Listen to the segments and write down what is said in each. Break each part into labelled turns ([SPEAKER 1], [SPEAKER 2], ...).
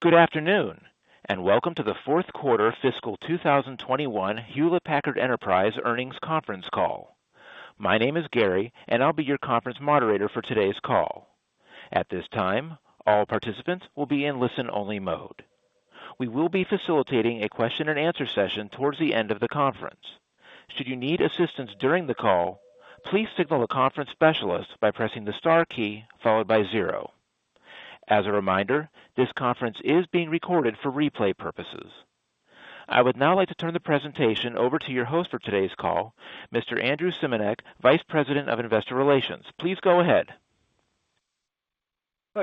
[SPEAKER 1] Good afternoon, and welcome to the fourth quarter fiscal 2021 Hewlett Packard Enterprise earnings conference call. My name is Gary, and I'll be your conference moderator for today's call. At this time, all participants will be in listen-only mode. We will be facilitating a question and answer session towards the end of the conference. Should you need assistance during the call, please signal the conference specialist by pressing the star key followed by zero. As a reminder, this conference is being recorded for replay purposes. I would now like to turn the presentation over to your host for today's call, Mr. Andrew Simanek, Vice President of Investor Relations. Please go ahead.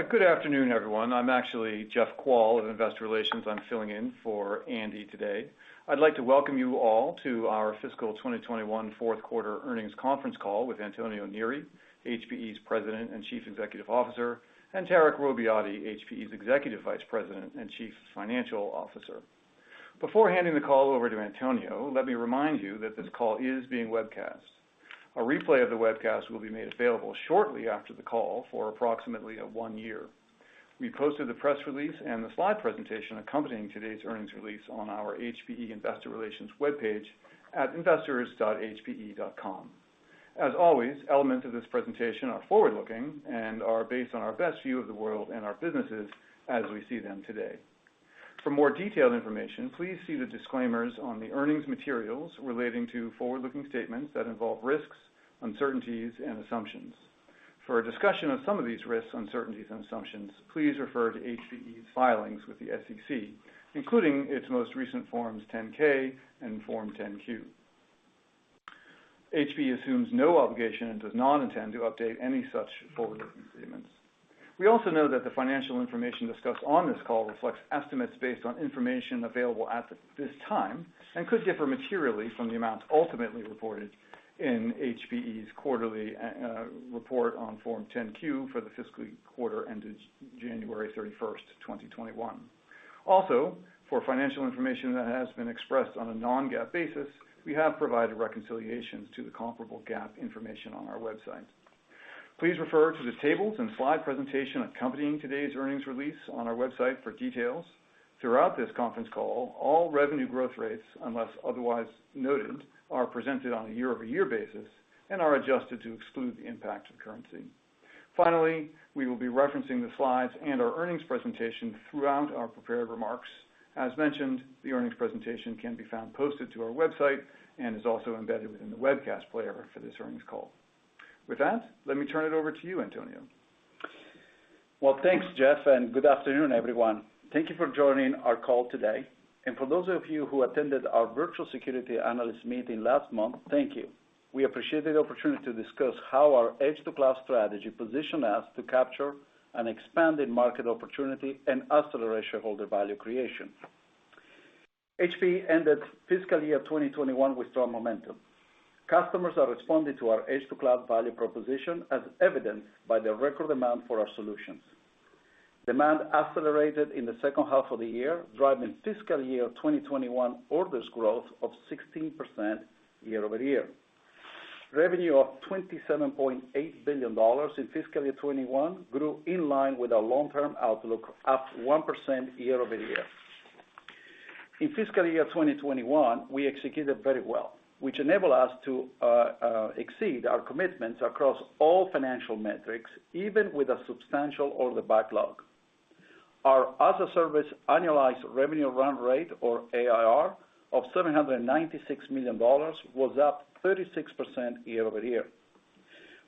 [SPEAKER 2] Good afternoon, everyone. I'm actually Jeff Kvaal of Investor Relations. I'm filling in for Andy today. I'd like to welcome you all to our fiscal 2021 fourth quarter earnings conference call with Antonio Neri, HPE's President and Chief Executive Officer, and Tarek Robbiati, HPE's Executive Vice President and Chief Financial Officer. Before handing the call over to Antonio, let me remind you that this call is being webcast. A replay of the webcast will be made available shortly after the call for approximately 1 year. We posted the press release and the slide presentation accompanying today's earnings release on our HPE Investor Relations webpage at investors.hpe.com. As always, elements of this presentation are forward-looking and are based on our best view of the world and our businesses as we see them today. For more detailed information, please see the disclaimers on the earnings materials relating to forward-looking statements that involve risks, uncertainties and assumptions. For a discussion of some of these risks, uncertainties, and assumptions, please refer to HPE's filings with the SEC, including its most recent Forms 10-K and Form 10-Q. HPE assumes no obligation and does not intend to update any such forward-looking statements. We also know that the financial information discussed on this call reflects estimates based on information available at this time and could differ materially from the amounts ultimately reported in HPE's quarterly report on Form 10-Q for the fiscal quarter ended January 31st, 2021. Also, for financial information that has been expressed on a non-GAAP basis, we have provided reconciliations to the comparable GAAP information on our website. Please refer to the tables and slide presentation accompanying today's earnings release on our website for details. Throughout this conference call, all revenue growth rates, unless otherwise noted, are presented on a year-over-year basis and are adjusted to exclude the impact of currency. Finally, we will be referencing the slides and our earnings presentation throughout our prepared remarks. As mentioned, the earnings presentation can be found posted to our website and is also embedded within the webcast player for this earnings call. With that, let me turn it over to you, Antonio.
[SPEAKER 3] Well, thanks, Jeff, and good afternoon, everyone. Thank you for joining our call today. For those of you who attended our virtual security analyst meeting last month, thank you. We appreciate the opportunity to discuss how our edge-to-cloud strategy positioned us to capture an expanded market opportunity and accelerate shareholder value creation. HPE ended fiscal year 2021 with strong momentum. Customers are responding to our edge-to-cloud value proposition, as evidenced by the record demand for our solutions. Demand accelerated in the second half of the year, driving fiscal year 2021 orders growth of 16% year over year. Revenue of $27.8 billion in fiscal year 2021 grew in line with our long-term outlook, up 1% year over year. In fiscal year 2021, we executed very well, which enabled us to exceed our commitments across all financial metrics, even with a substantial order backlog. Our as-a-service annualized revenue run rate or ARR of $796 million was up 36% year-over-year.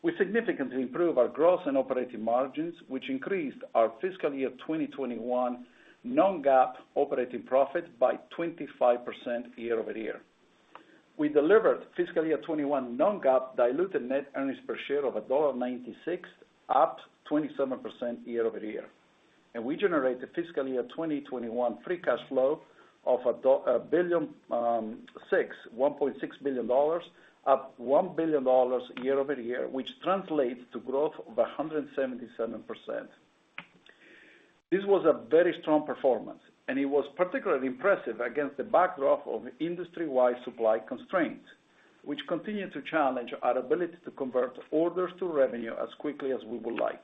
[SPEAKER 3] We significantly improved our gross and operating margins, which increased our fiscal year 2021 non-GAAP operating profit by 25% year-over-year. We delivered fiscal year 2021 non-GAAP diluted net earnings per share of $1.96, up 27% year-over-year. We generated fiscal year 2021 free cash flow of $1.6 billion, up $1 billion year-over-year, which translates to growth of 177%. This was a very strong performance, and it was particularly impressive against the backdrop of industry-wide supply constraints, which continue to challenge our ability to convert orders to revenue as quickly as we would like.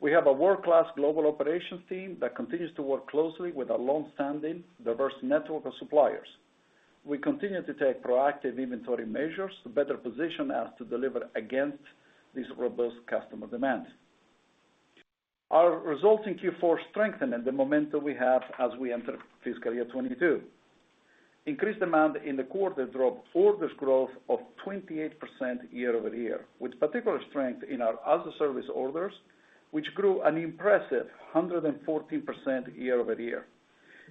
[SPEAKER 3] We have a world-class global operations team that continues to work closely with our long-standing, diverse network of suppliers. We continue to take proactive inventory measures to better position us to deliver against these robust customer demands. Our results in Q4 strengthen the momentum we have as we enter fiscal year 2022. Increased demand in the quarter drove orders growth of 28% year-over-year, with particular strength in our as-a-service orders, which grew an impressive 114% year-over-year,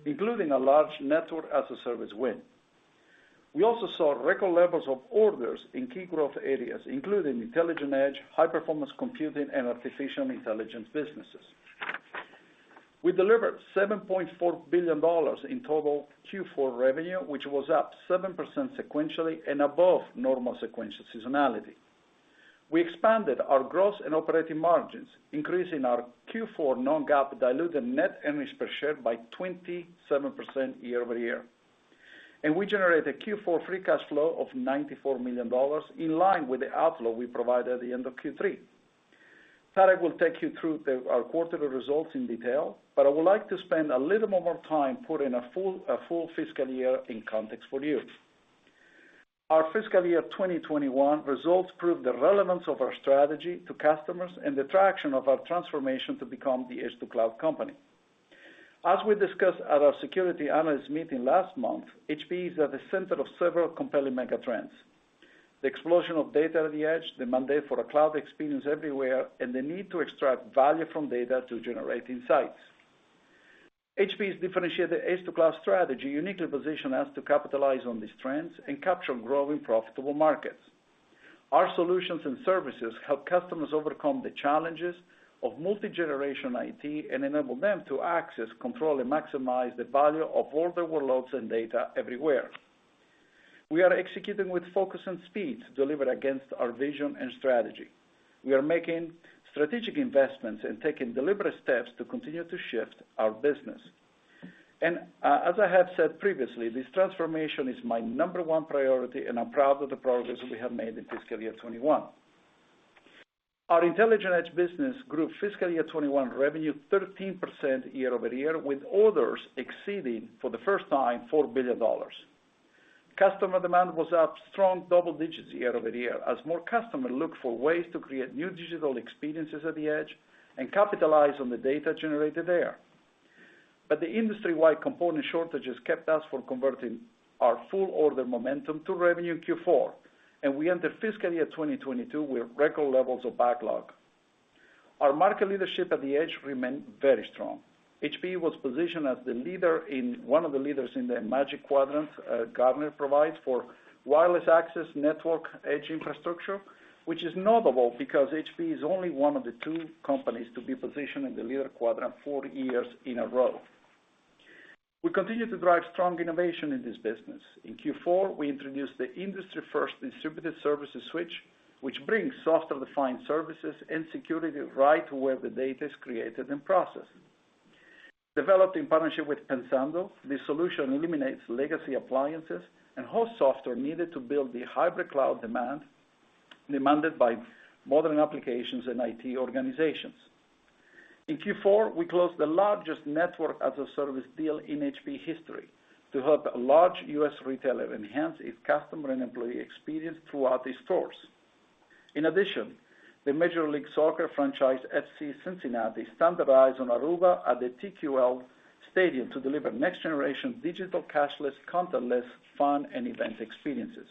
[SPEAKER 3] including a large network as-a-service win. We also saw record levels of orders in key growth areas, including intelligent edge, high-performance computing, and artificial intelligence businesses. We delivered $7.4 billion in total Q4 revenue, which was up 7% sequentially and above normal sequential seasonality. We expanded our gross and operating margins, increasing our Q4 non-GAAP diluted net earnings per share by 27% year-over-year. We generated a Q4 free cash flow of $94 million in line with the outflow we provided at the end of Q3. Tarek will take you through our quarterly results in detail, but I would like to spend a little more time putting a full fiscal year in context for you. Our fiscal year 2021 results prove the relevance of our strategy to customers and the traction of our transformation to become the edge-to-cloud company. As we discussed at our securities analyst meeting last month, HPE is at the center of several compelling mega trends. The explosion of data at the edge, the mandate for a cloud experience everywhere, and the need to extract value from data to generate insights. HPE's differentiated edge-to-cloud strategy uniquely position us to capitalize on these trends and capture growing profitable markets. Our solutions and services help customers overcome the challenges of multi-generation IT and enable them to access, control, and maximize the value of all their workloads and data everywhere. We are executing with focus and speed to deliver against our vision and strategy. We are making strategic investments and taking deliberate steps to continue to shift our business. As I have said previously, this transformation is my number one priority, and I'm proud of the progress we have made in fiscal year 2021. Our Intelligent Edge business grew fiscal year 2021 revenue 13% year-over-year, with orders exceeding, for the first time, $4 billion. Customer demand was up strong double digits year-over-year, as more customers look for ways to create new digital experiences at the edge and capitalize on the data generated there. The industry-wide component shortages kept us from converting our full order momentum to revenue in Q4, and we entered fiscal year 2022 with record levels of backlog. Our market leadership at the edge remained very strong. HPE was positioned as one of the leaders in the Magic Quadrant Gartner provides for wireless access network edge infrastructure, which is notable because HPE is only one of the two companies to be positioned in the Leaders quadrant four years in a row. We continue to drive strong innovation in this business. In Q4, we introduced the industry-first distributed services switch, which brings software-defined services and security right where the data is created and processed. Developed in partnership with Pensando, this solution eliminates legacy appliances and hosts software needed to build the hybrid cloud demand demanded by modern applications and IT organizations. In Q4, we closed the largest network as a service deal in HPE history to help a large U.S. retailer enhance its customer and employee experience throughout its stores. In addition, the Major League Soccer franchise, FC Cincinnati, standardized on Aruba at the TQL stadium to deliver next-generation digital, cashless, contactless fun and event experiences.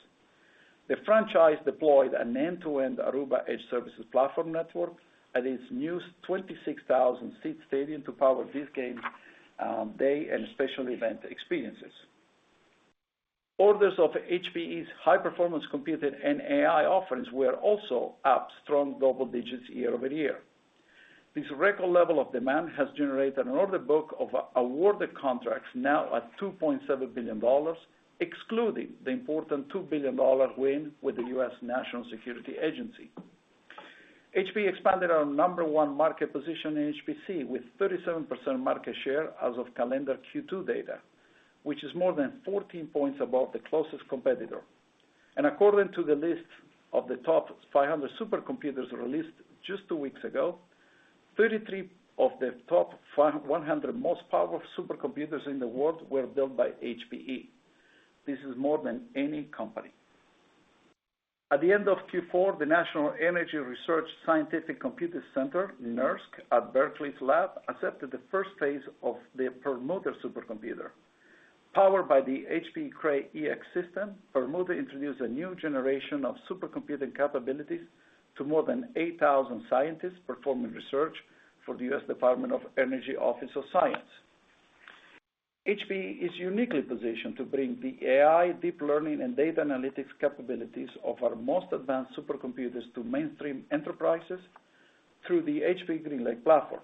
[SPEAKER 3] The franchise deployed an end-to-end Aruba edge services platform network at its new 26,000-seat stadium to power this game day and special event experiences. Orders of HPE's high-performance compute and AI offerings were also up strong double digits year-over-year. This record level of demand has generated an order book of awarded contracts now at $2.7 billion, excluding the important $2 billion win with the US National Security Agency. HPE expanded our number one market position in HPC with 37% market share as of calendar Q2 data, which is more than 14 points above the closest competitor. According to the list of the top 500 supercomputers released just two weeks ago, 33 of the top 500 most powerful supercomputers in the world were built by HPE. This is more than any company. At the end of Q4, the National Energy Research Scientific Computing Center, NERSC, at Berkeley's lab, accepted the first phase of the Perlmutter supercomputer. Powered by the HPE Cray EX system, Perlmutter introduced a new generation of supercomputing capabilities to more than 8,000 scientists performing research for the U.S. Department of Energy Office of Science. HPE is uniquely positioned to bring the AI, deep learning, and data analytics capabilities of our most advanced supercomputers to mainstream enterprises through the HPE GreenLake platform.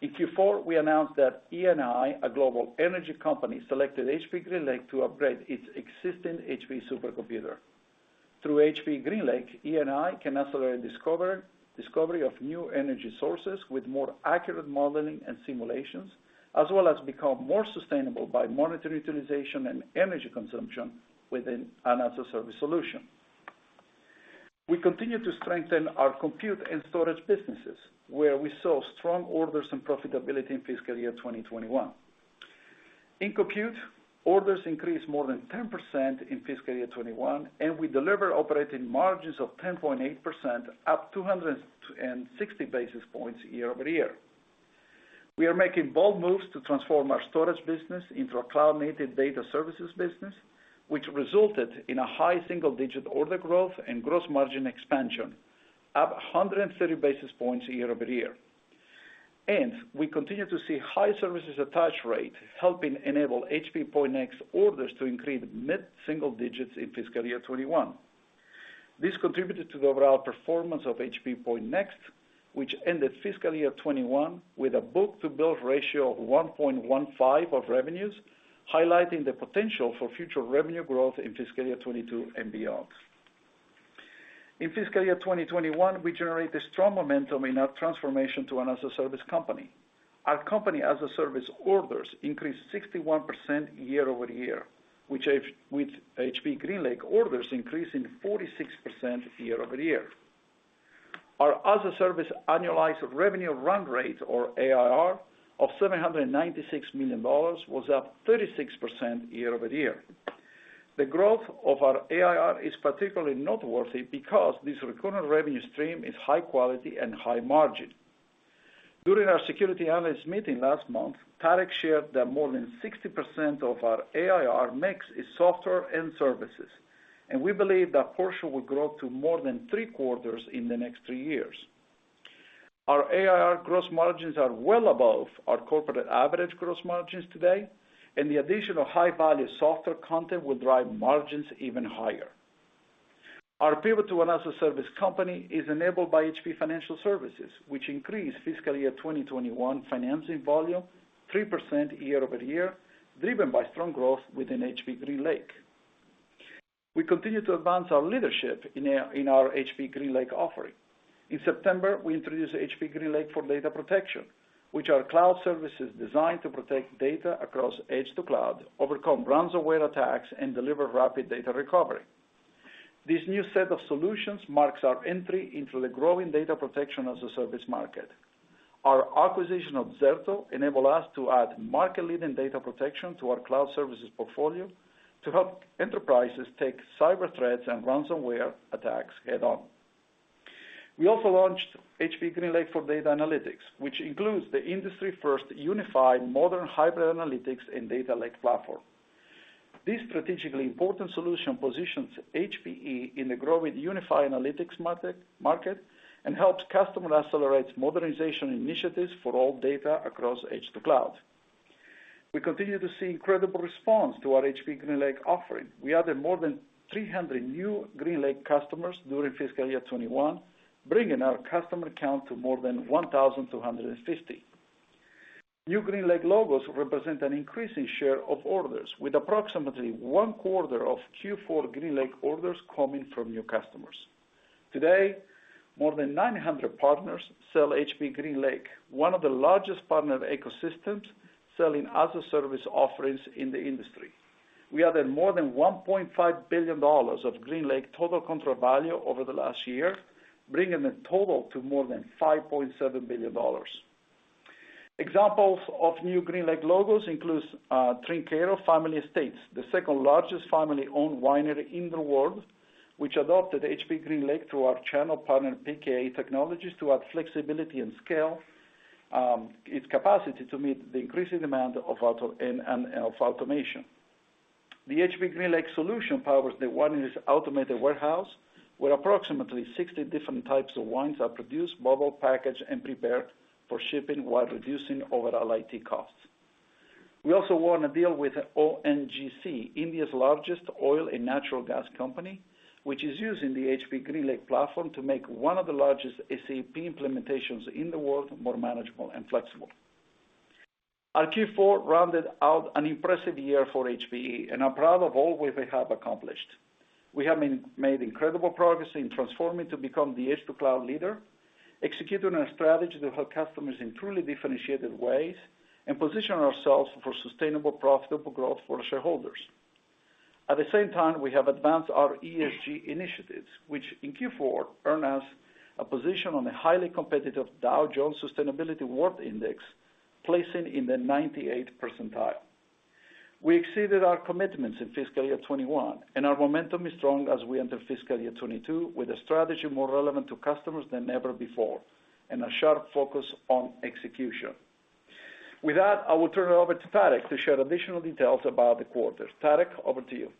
[SPEAKER 3] In Q4, we announced that Eni, a global energy company, selected HPE GreenLake to upgrade its existing HPE supercomputer. Through HPE GreenLake, Eni can accelerate discovery of new energy sources with more accurate modeling and simulations, as well as become more sustainable by monitoring utilization and energy consumption with an as-a-service solution. We continue to strengthen our compute and storage businesses, where we saw strong orders and profitability in fiscal year 2021. In compute, orders increased more than 10% in fiscal year 2021, and we deliver operating margins of 10.8%, up 260 basis points year-over-year. We are making bold moves to transform our storage business into a cloud-native data services business, which resulted in a high single-digit order growth and gross margin expansion, up 130 basis points year-over-year. We continue to see high services attach rate, helping enable HPE Pointnext orders to increase mid-single digits in fiscal year 2021. This contributed to the overall performance of HPE Pointnext, which ended fiscal year 2021 with a book-to-bill ratio of 1.15 of revenues, highlighting the potential for future revenue growth in fiscal year 2022 and beyond. In fiscal year 2021, we generated strong momentum in our transformation to an as-a-service company. Our company as-a-service orders increased 61% year-over-year, with HPE GreenLake orders increasing 46% year-over-year. Our as-a-service annualized revenue run rate or ARR of $796 million was up 36% year-over-year. The growth of our ARR is particularly noteworthy because this recurrent revenue stream is high quality and high margin. During our Securities Analyst Meeting last month, Tarek shared that more than 60% of our ARR mix is software and services. We believe that portion will grow to more than three-quarters in the next three years. Our ARR gross margins are well above our corporate average gross margins today, and the addition of high-value software content will drive margins even higher. Our pivot to an as-a-service company is enabled by HPE Financial Services, which increased fiscal year 2021 financing volume 3% year-over-year, driven by strong growth within HPE GreenLake. We continue to advance our leadership in our HPE GreenLake offering. In September, we introduced HPE GreenLake for Data Protection, which are cloud services designed to protect data across edge to cloud, overcome ransomware attacks, and deliver rapid data recovery. This new set of solutions marks our entry into the growing data protection as-a-service market. Our acquisition of Zerto enable us to add market-leading data protection to our cloud services portfolio to help enterprises take cyber threats and ransomware attacks head on. We also launched HPE GreenLake for Analytics, which includes the industry first unified modern hybrid analytics and data lake platform. This strategically important solution positions HPE in the growing unified analytics market and helps customers accelerate modernization initiatives for all data across edge to cloud. We continue to see incredible response to our HPE GreenLake offering. We added more than 300 new GreenLake customers during fiscal year 2021, bringing our customer count to more than 1,250. New GreenLake logos represent an increasing share of orders, with approximately one quarter of Q4 GreenLake orders coming from new customers. Today, more than 900 partners sell HPE GreenLake, one of the largest partner ecosystems selling as-a-service offerings in the industry. We added more than $1.5 billion of GreenLake total contract value over the last year, bringing the total to more than $5.7 billion. Examples of new GreenLake logos include Trinchero Family Estates, the second largest family-owned winery in the world, which adopted HPE GreenLake through our channel partner, PKA Technologies, to add flexibility and scale its capacity to meet the increasing demand of auto and of automation. The HPE GreenLake solution powers the winery's automated warehouse, where approximately 60 different types of wines are produced, bottled, packaged, and prepared for shipping while reducing overall IT costs. We also won a deal with ONGC, India's largest oil and natural gas company, which is using the HPE GreenLake platform to make one of the largest SAP implementations in the world more manageable and flexible. Our Q4 rounded out an impressive year for HPE, and I'm proud of all we have accomplished. We have made incredible progress in transforming to become the edge-to-cloud leader, executing our strategy to help customers in truly differentiated ways and positioning ourselves for sustainable, profitable growth for shareholders. At the same time, we have advanced our ESG initiatives, which in Q4 earned us a position on the highly competitive Dow Jones Sustainability World Index, placing in the 98th percentile. We exceeded our commitments in fiscal year 2021, and our momentum is strong as we enter fiscal year 2022 with a strategy more relevant to customers than ever before and a sharp focus on execution. With that, I will turn it over to Tarek to share additional details about the quarter. Tarek, over to you.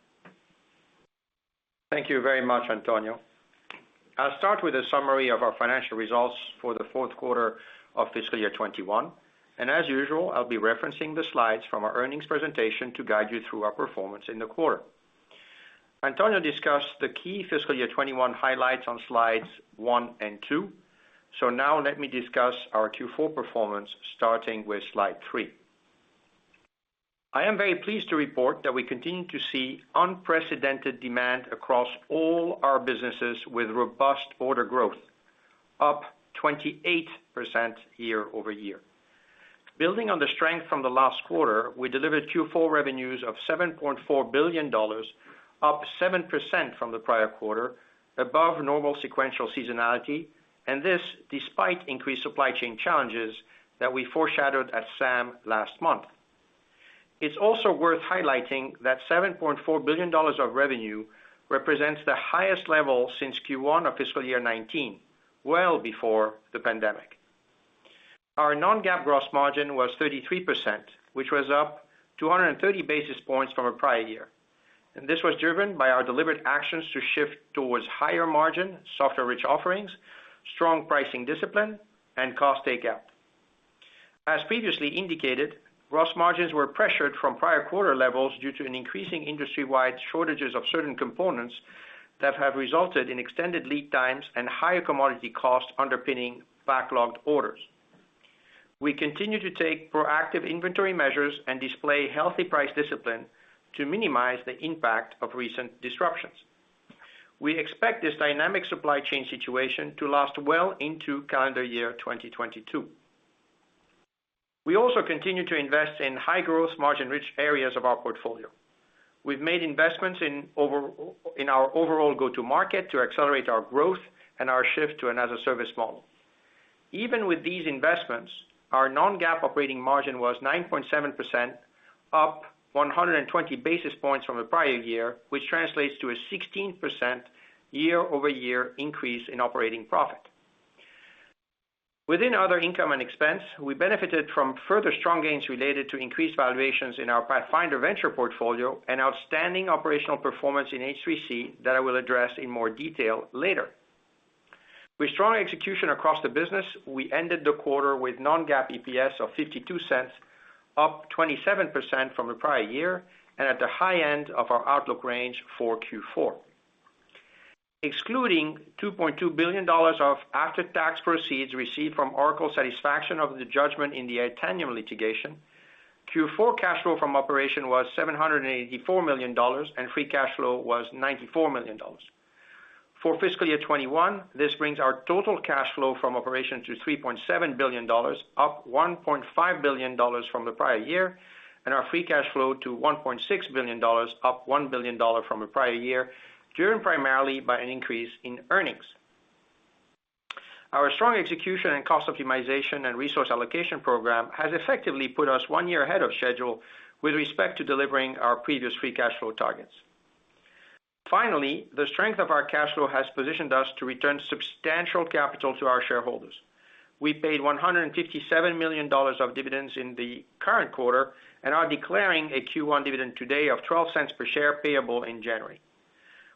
[SPEAKER 4] Thank you very much, Antonio. I'll start with a summary of our financial results for the fourth quarter of fiscal year 2021. As usual, I'll be referencing the slides from our earnings presentation to guide you through our performance in the quarter. Antonio discussed the key fiscal year 2021 highlights on slides one and two. Now let me discuss our Q4 performance, starting with slide three. I am very pleased to report that we continue to see unprecedented demand across all our businesses with robust order growth, up 28% year-over-year. Building on the strength from the last quarter, we delivered Q4 revenues of $7.4 billion, up 7% from the prior quarter, above normal sequential seasonality, and this despite increased supply chain challenges that we foreshadowed at SAM last month. It's also worth highlighting that $7.4 billion of revenue represents the highest level since Q1 of fiscal year 2019, well before the pandemic. Our non-GAAP gross margin was 33%, which was up 230 basis points from our prior year. This was driven by our deliberate actions to shift towards higher margin, software-rich offerings, strong pricing discipline, and cost take out. As previously indicated, gross margins were pressured from prior quarter levels due to an increasing industry-wide shortages of certain components that have resulted in extended lead times and higher commodity costs underpinning backlogged orders. We continue to take proactive inventory measures and display healthy price discipline to minimize the impact of recent disruptions. We expect this dynamic supply chain situation to last well into calendar year 2022. We also continue to invest in high growth margin rich areas of our portfolio. We've made investments in our overall go-to market to accelerate our growth and our shift to another service model. Even with these investments, our non-GAAP operating margin was 9.7%, up 120 basis points from the prior year, which translates to a 16% year-over-year increase in operating profit. Within other income and expense, we benefited from further strong gains related to increased valuations in our Pathfinder venture portfolio and outstanding operational performance in H3C that I will address in more detail later. With strong execution across the business, we ended the quarter with non-GAAP EPS of $0.52, up 27% from the prior year, and at the high end of our outlook range for Q4. Excluding $2.2 billion of after-tax proceeds received from Oracle satisfaction of the judgment in the Itanium litigation, Q4 cash flow from operation was $784 million, and free cash flow was $94 million. For fiscal year 2021, this brings our total cash flow from operation to $3.7 billion, up $1.5 billion from the prior year, and our free cash flow to $1.6 billion, up $1 billion from the prior year, driven primarily by an increase in earnings. Our strong execution and cost optimization and resource allocation program has effectively put us 1 year ahead of schedule with respect to delivering our previous free cash flow targets. Finally, the strength of our cash flow has positioned us to return substantial capital to our shareholders. We paid $157 million of dividends in the current quarter and are declaring a Q1 dividend today of $0.12 per share payable in January.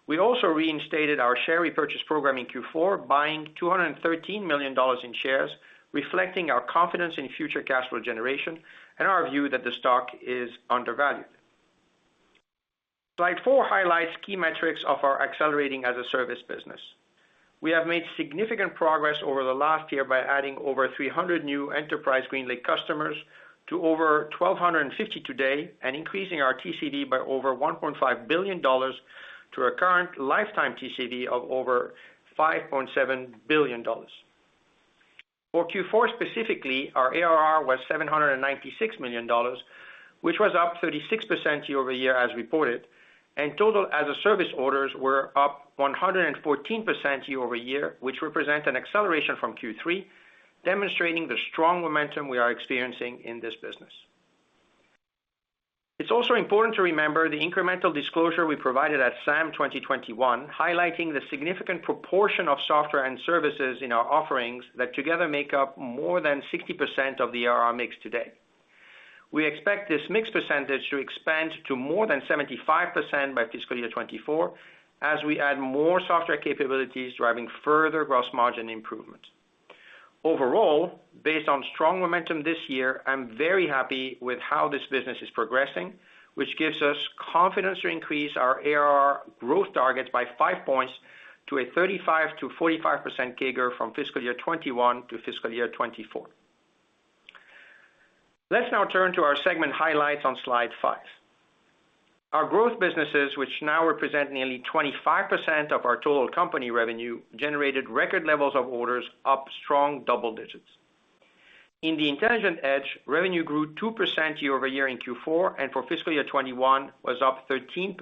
[SPEAKER 4] We also reinstated our share repurchase program in Q4, buying $213 million in shares, reflecting our confidence in future cash flow generation and our view that the stock is undervalued. Slide four highlights key metrics of our accelerating as-a-service business. We have made significant progress over the last year by adding over 300 new enterprise GreenLake customers to over 1,250 today and increasing our TCV by over $1.5 billion to a current lifetime TCV of over $5.7 billion. For Q4 specifically, our ARR was $796 million, which was up 36% year-over-year as reported, and total as-a-service orders were up 114% year-over-year, which represent an acceleration from Q3, demonstrating the strong momentum we are experiencing in this business. It's also important to remember the incremental disclosure we provided at SAM 2021, highlighting the significant proportion of software and services in our offerings that together make up more than 60% of the ARR mix today. We expect this mix percentage to expand to more than 75% by fiscal year 2024 as we add more software capabilities, driving further gross margin improvement. Overall, based on strong momentum this year, I'm very happy with how this business is progressing, which gives us confidence to increase our ARR growth targets by 5 points to a 35%-45% CAGR from fiscal year 2021 to fiscal year 2024. Let's now turn to our segment highlights on slide five. Our growth businesses, which now represent nearly 25% of our total company revenue, generated record levels of orders up strong double digits. In the Intelligent Edge, revenue grew 2% year-over-year in Q4, and for fiscal year 2021 was up 13%.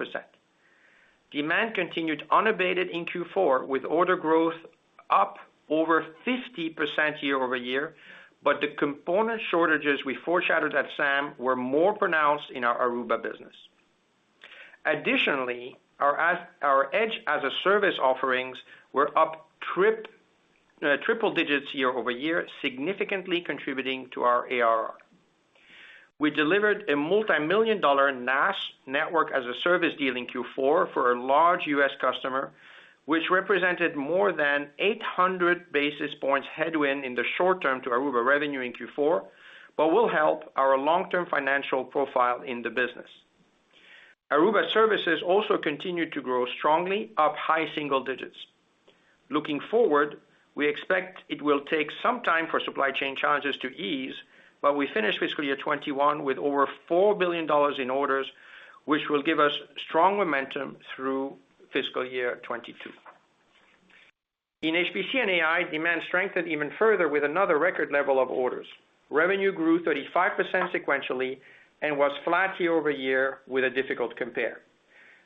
[SPEAKER 4] Demand continued unabated in Q4 with order growth up over 50% year-over-year, but the component shortages we foreshadowed at SAM were more pronounced in our Aruba business. Additionally, our edge as-a-service offerings were up triple digits year-over-year, significantly contributing to our ARR. We delivered a multimillion-dollar NaaS, network as-a-service deal in Q4 for a large U.S. customer, which represented more than 800 basis points headwind in the short term to Aruba revenue in Q4, but will help our long-term financial profile in the business. Aruba services also continued to grow strongly, up high single digits%. Looking forward, we expect it will take some time for supply chain challenges to ease, but we finished fiscal year 2021 with over $4 billion in orders, which will give us strong momentum through fiscal year 2022. In HPC and AI, demand strengthened even further with another record level of orders. Revenue grew 35% sequentially and was flat year over year with a difficult compare.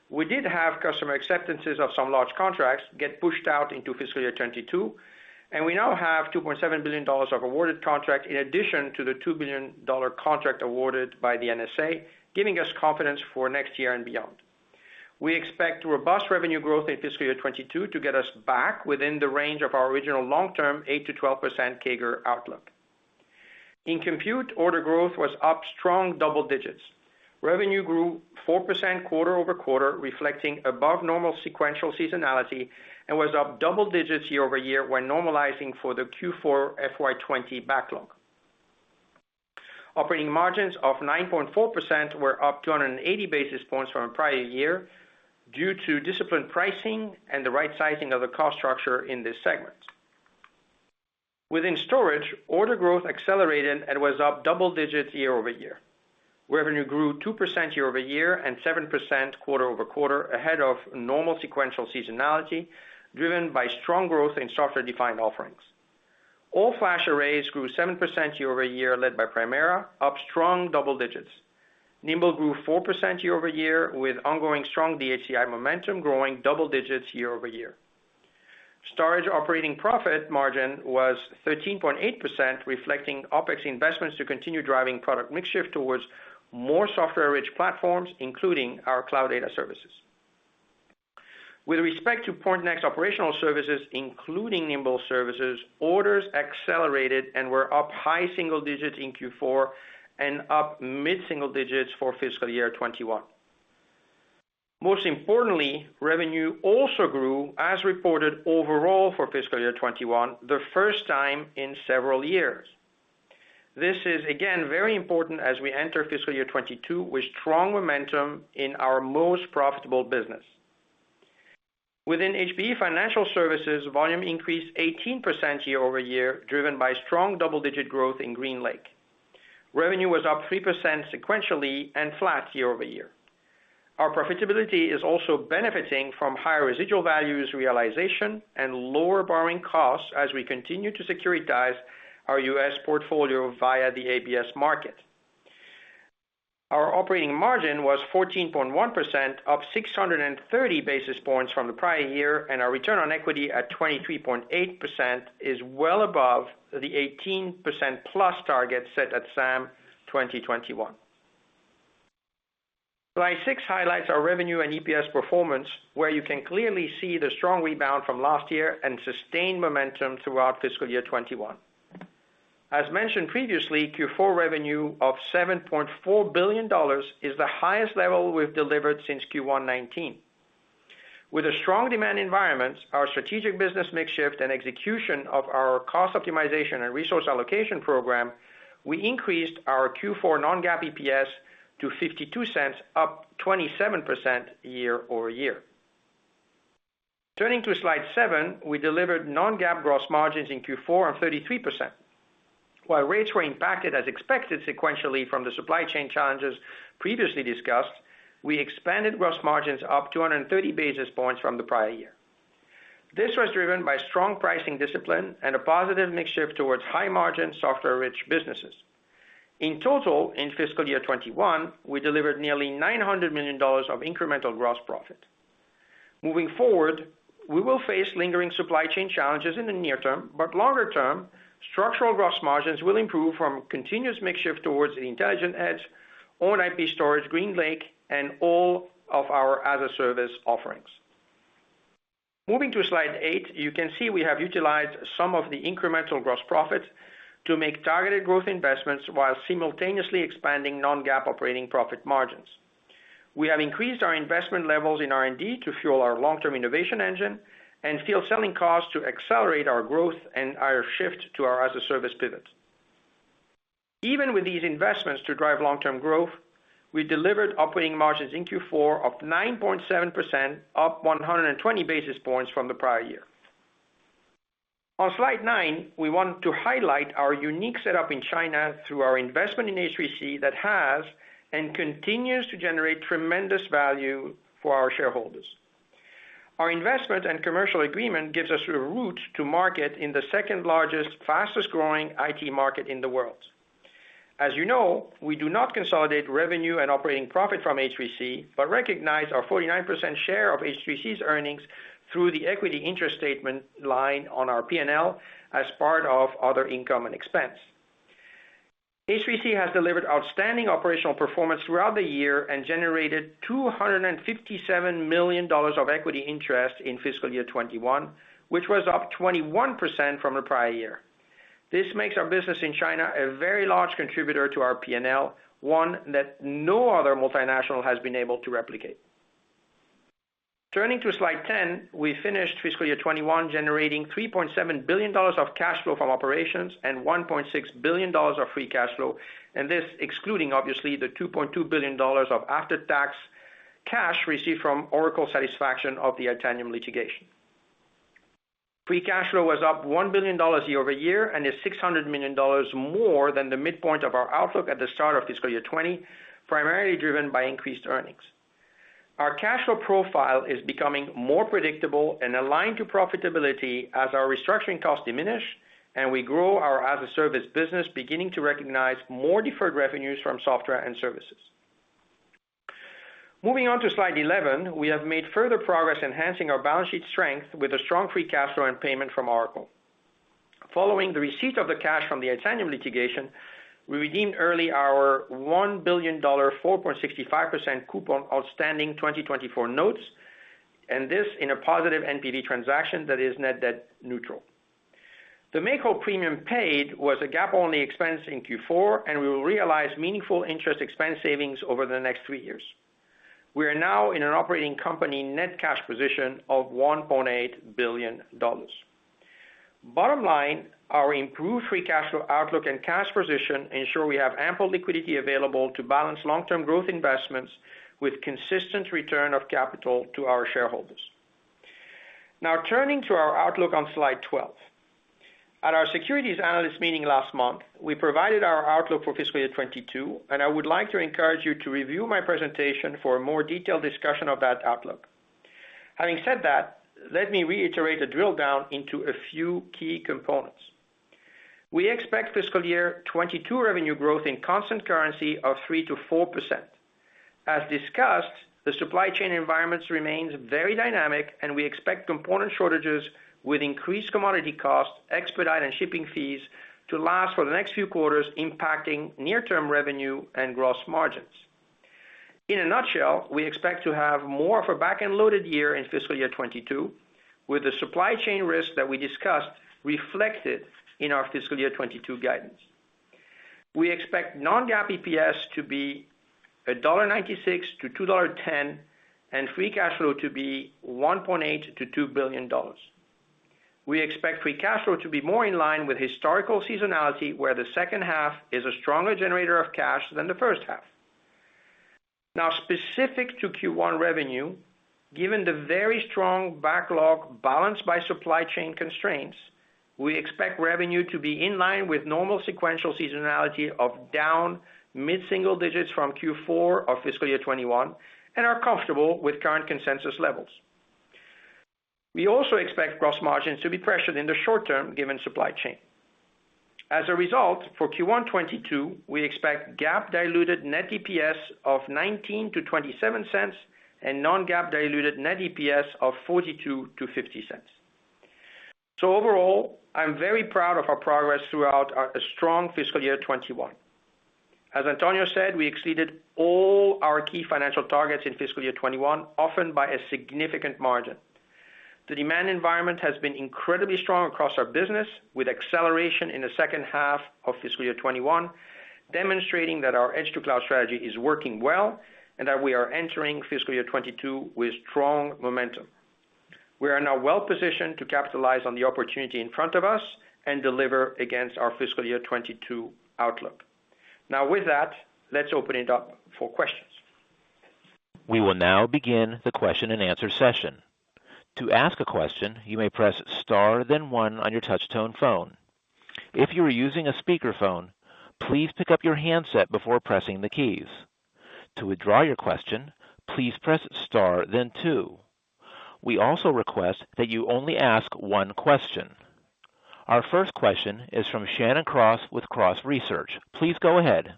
[SPEAKER 4] We did have customer acceptances of some large contracts get pushed out into fiscal year 2022, and we now have $2.7 billion of awarded contract in addition to the $2 billion contract awarded by the NSA, giving us confidence for next year and beyond. We expect robust revenue growth in fiscal year 2022 to get us back within the range of our original long-term 8%-12% CAGR outlook. In compute, order growth was up strong double digits. Revenue grew 4% quarter-over-quarter, reflecting above normal sequential seasonality and was up double digits year-over-year when normalizing for the Q4 FY 2020 backlog. Operating margins of 9.4% were up 280 basis points from prior year due to disciplined pricing and the right sizing of the cost structure in this segment. Within storage, order growth accelerated and was up double digits year-over-year. Revenue grew 2% year-over-year and 7% quarter-over-quarter ahead of normal sequential seasonality, driven by strong growth in software-defined offerings. All-flash arrays grew 7% year-over-year, led by Primera, up strong double digits. Nimble grew 4% year-over-year with ongoing strong DHCI momentum growing double digits year-over-year. Storage operating profit margin was 13.8%, reflecting OpEx investments to continue driving product mix shift towards more software-rich platforms, including our cloud data services. With respect to Pointnext operational services, including Nimble services, orders accelerated and were up high single digits in Q4 and up mid single digits for fiscal year 2021. Most importantly, revenue also grew as reported overall for fiscal year 2021, the first time in several years. This is again very important as we enter fiscal year 2022 with strong momentum in our most profitable business. Within HPE Financial Services, volume increased 18% year-over-year, driven by strong double-digit growth in GreenLake. Revenue was up 3% sequentially and flat year-over-year. Our profitability is also benefiting from higher residual values realization and lower borrowing costs as we continue to securitize our U.S. portfolio via the ABS market. Our operating margin was 14.1%, up 630 basis points from the prior year, and our return on equity at 23.8% is well above the 18% plus target set at SAM 2021. Slide six highlights our revenue and EPS performance, where you can clearly see the strong rebound from last year and sustained momentum throughout fiscal year 2021. As mentioned previously, Q4 revenue of $7.4 billion is the highest level we've delivered since Q1 2019. With a strong demand environment, our strategic business mix shift and execution of our cost optimization and resource allocation program, we increased our Q4 non-GAAP EPS to $0.52, up 27% year-over-year. Turning to slide seven, we delivered non-GAAP gross margins in Q4 of 33%. While rates were impacted as expected sequentially from the supply chain challenges previously discussed, we expanded gross margins up 230 basis points from the prior year. This was driven by strong pricing discipline and a positive mix shift towards high-margin software-rich businesses. In total, in fiscal year 2021, we delivered nearly $900 million of incremental gross profit. Moving forward, we will face lingering supply chain challenges in the near term, but longer term, structural gross margins will improve from continuous mix shift towards the intelligent edge, own IP storage, GreenLake, and all of our as-a-service offerings. Moving to slide eight, you can see we have utilized some of the incremental gross profits to make targeted growth investments while simultaneously expanding non-GAAP operating profit margins. We have increased our investment levels in R&D to fuel our long-term innovation engine and field selling costs to accelerate our growth and our shift to our as-a-service pivot. Even with these investments to drive long-term growth, we delivered operating margins in Q4 of 9.7%, up 120 basis points from the prior year. On slide nine, we want to highlight our unique setup in China through our investment in H3C that has and continues to generate tremendous value for our shareholders. Our investment and commercial agreement gives us a route to market in the second largest, fastest-growing IT market in the world. As you know, we do not consolidate revenue and operating profit from H3C, but recognize our 49% share of H3C's earnings through the equity interest statement line on our P&L as part of other income and expense. H3C has delivered outstanding operational performance throughout the year and generated $257 million of equity interest in fiscal year 2021, which was up 21% from the prior year. This makes our business in China a very large contributor to our P&L, one that no other multinational has been able to replicate. Turning to slide 10, we finished fiscal year 2021 generating $3.7 billion of cash flow from operations and $1.6 billion of free cash flow. This excluding obviously the $2.2 billion of after-tax cash received from Oracle satisfaction of the Itanium litigation. Free cash flow was up $1 billion year-over-year and is $600 million more than the midpoint of our outlook at the start of fiscal year 2020, primarily driven by increased earnings. Our cash flow profile is becoming more predictable and aligned to profitability as our restructuring costs diminish and we grow our as-a-service business, beginning to recognize more deferred revenues from software and services. Moving on to slide 11, we have made further progress enhancing our balance sheet strength with a strong free cash flow and payment from Oracle. Following the receipt of the cash from the Itanium litigation, we redeemed early our $1 billion 4.65% coupon outstanding 2024 notes, and this in a positive NPV transaction that is net debt neutral. The make-whole premium paid was a GAAP-only expense in Q4, and we will realize meaningful interest expense savings over the next three years. We are now in an operating company net cash position of $1.8 billion. Bottom line, our improved free cash flow outlook and cash position ensure we have ample liquidity available to balance long-term growth investments with consistent return of capital to our shareholders. Now turning to our outlook on slide 12. At our securities analyst meeting last month, we provided our outlook for fiscal year 2022, and I would like to encourage you to review my presentation for a more detailed discussion of that outlook. Having said that, let me reiterate a drill down into a few key components. We expect fiscal year 2022 revenue growth in constant currency of 3%-4%. As discussed, the supply chain environment remains very dynamic, and we expect component shortages with increased commodity costs, expedite and shipping fees to last for the next few quarters, impacting near-term revenue and gross margins. In a nutshell, we expect to have more of a back-end-loaded year in fiscal year 2022, with the supply chain risk that we discussed reflected in our fiscal year 2022 guidance. We expect non-GAAP EPS to be $1.96-$2.10, and free cash flow to be $1.8 billion-$2 billion. We expect free cash flow to be more in line with historical seasonality, where the second half is a stronger generator of cash than the first half. Now specific to Q1 revenue, given the very strong backlog balanced by supply chain constraints, we expect revenue to be in line with normal sequential seasonality of down mid-single digits from Q4 of fiscal year 2021, and are comfortable with current consensus levels. We also expect gross margins to be pressured in the short term given supply chain. As a result, for Q1 2022, we expect GAAP diluted net EPS of $0.19-$0.27 and non-GAAP diluted net EPS of $0.42-$0.50. Overall, I'm very proud of our progress throughout our strong fiscal year 2021. As Antonio said, we exceeded all our key financial targets in fiscal year 2021, often by a significant margin. The demand environment has been incredibly strong across our business, with acceleration in the second half of fiscal year 2021, demonstrating that our edge-to-cloud strategy is working well and that we are entering fiscal year 2022 with strong momentum. We are now well positioned to capitalize on the opportunity in front of us and deliver against our fiscal year 2022 outlook. Now with that, let's open it up for questions.
[SPEAKER 1] We will now begin the question-and-answer session. To ask a question, you may press star then one on your touch tone phone. If you are using a speakerphone, please pick up your handset before pressing the keys. To withdraw your question, please press star then two. We also request that you only ask one question. Our first question is from Shannon Cross with Cross Research. Please go ahead.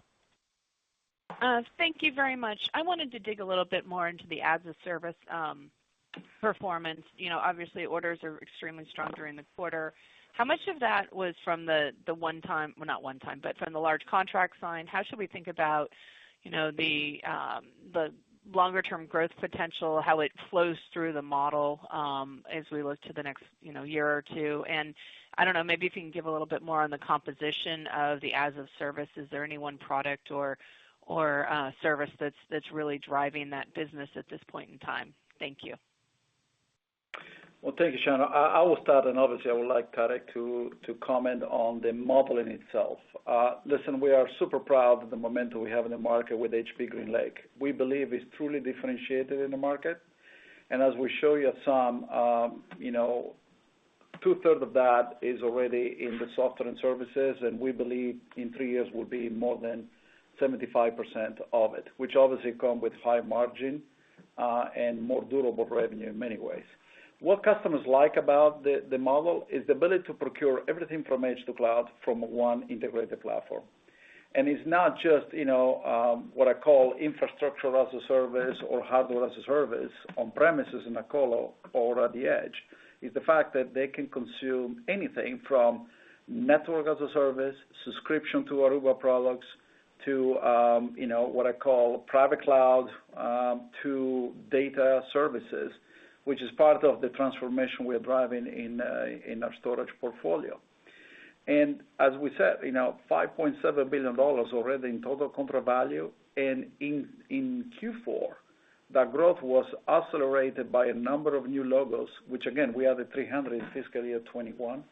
[SPEAKER 5] Thank you very much. I wanted to dig a little bit more into the as-a-service performance. You know, obviously orders are extremely strong during the quarter. How much of that was from the large contract signed, how should we think about, you know, the longer-term growth potential, how it flows through the model, as we look to the next, you know, year or two? I don't know, maybe if you can give a little bit more on the composition of the as-a-service. Is there any one product or service that's really driving that business at this point in time? Thank you.
[SPEAKER 3] Well, thank you, Shannon. I will start, and obviously, I would like Tarek to comment on the modeling itself. Listen, we are super proud of the momentum we have in the market with HPE GreenLake. We believe it's truly differentiated in the market. As we show you some, you know, two-thirds of that is already in the software and services, and we believe in three years will be more than 75% of it, which obviously come with high margin, and more durable revenue in many ways. What customers like about the model is the ability to procure everything from edge to cloud from one integrated platform. It's not just, you know, what I call infrastructure as a service or hardware as a service on premises in a colo or at the edge. It's the fact that they can consume anything from network as a service, subscription to Aruba products, to, you know, what I call private cloud, to data services, which is part of the transformation we are driving in our storage portfolio. As we said, you know, $5.7 billion already in total contract value. In Q4, that growth was accelerated by a number of new logos, which again, we added 300 in fiscal year 2021,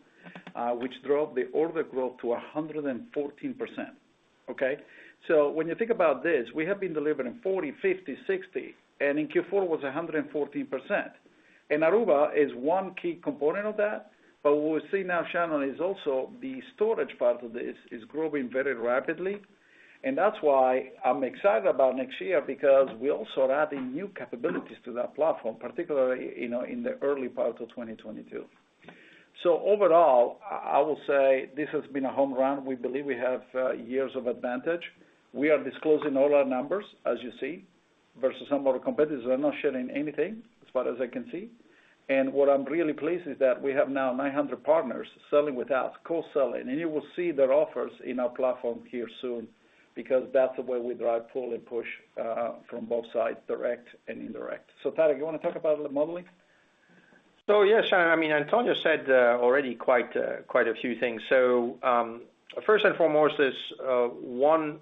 [SPEAKER 3] which drove the order growth to 114%. When you think about this, we have been delivering 40%, 50%, 60%, and in Q4 was 114%. Aruba is one key component of that, but what we see now, Shannon, is also the storage part of this is growing very rapidly, and that's why I'm excited about next year because we're also adding new capabilities to that platform, particularly, you know, in the early part of 2022. Overall, I will say this has been a home run. We believe we have years of advantage. We are disclosing all our numbers, as you see, versus some of our competitors who are not sharing anything as far as I can see. What I'm really pleased is that we have now 900 partners selling with us, co-selling, and you will see their offers in our platform here soon because that's the way we drive pull and push from both sides, direct and indirect. Tarek, you want to talk about the modeling?
[SPEAKER 4] Yes, Shannon, I mean, Antonio said already quite a few things. First and foremost is one,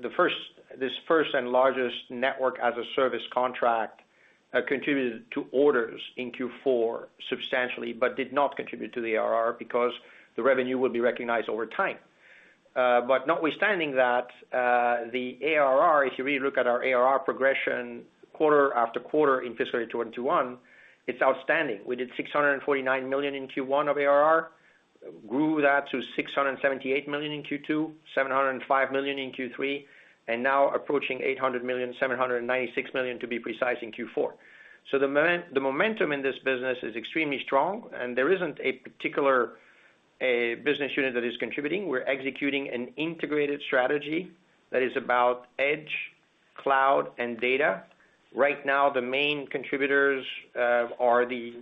[SPEAKER 4] this first and largest network as a service contract contributed to orders in Q4 substantially, but did not contribute to the ARR because the revenue will be recognized over time. Notwithstanding that, the ARR, if you really look at our ARR progression quarter after quarter in fiscal year 2021, it's outstanding. We did $649 million in Q1 of ARR, grew that to $678 million in Q2, $705 million in Q3, and now approaching $800 million, $796 million to be precise in Q4. The momentum in this business is extremely strong, and there isn't a particular business unit that is contributing. We're executing an integrated strategy that is about edge, cloud, and data. Right now, the main contributors are the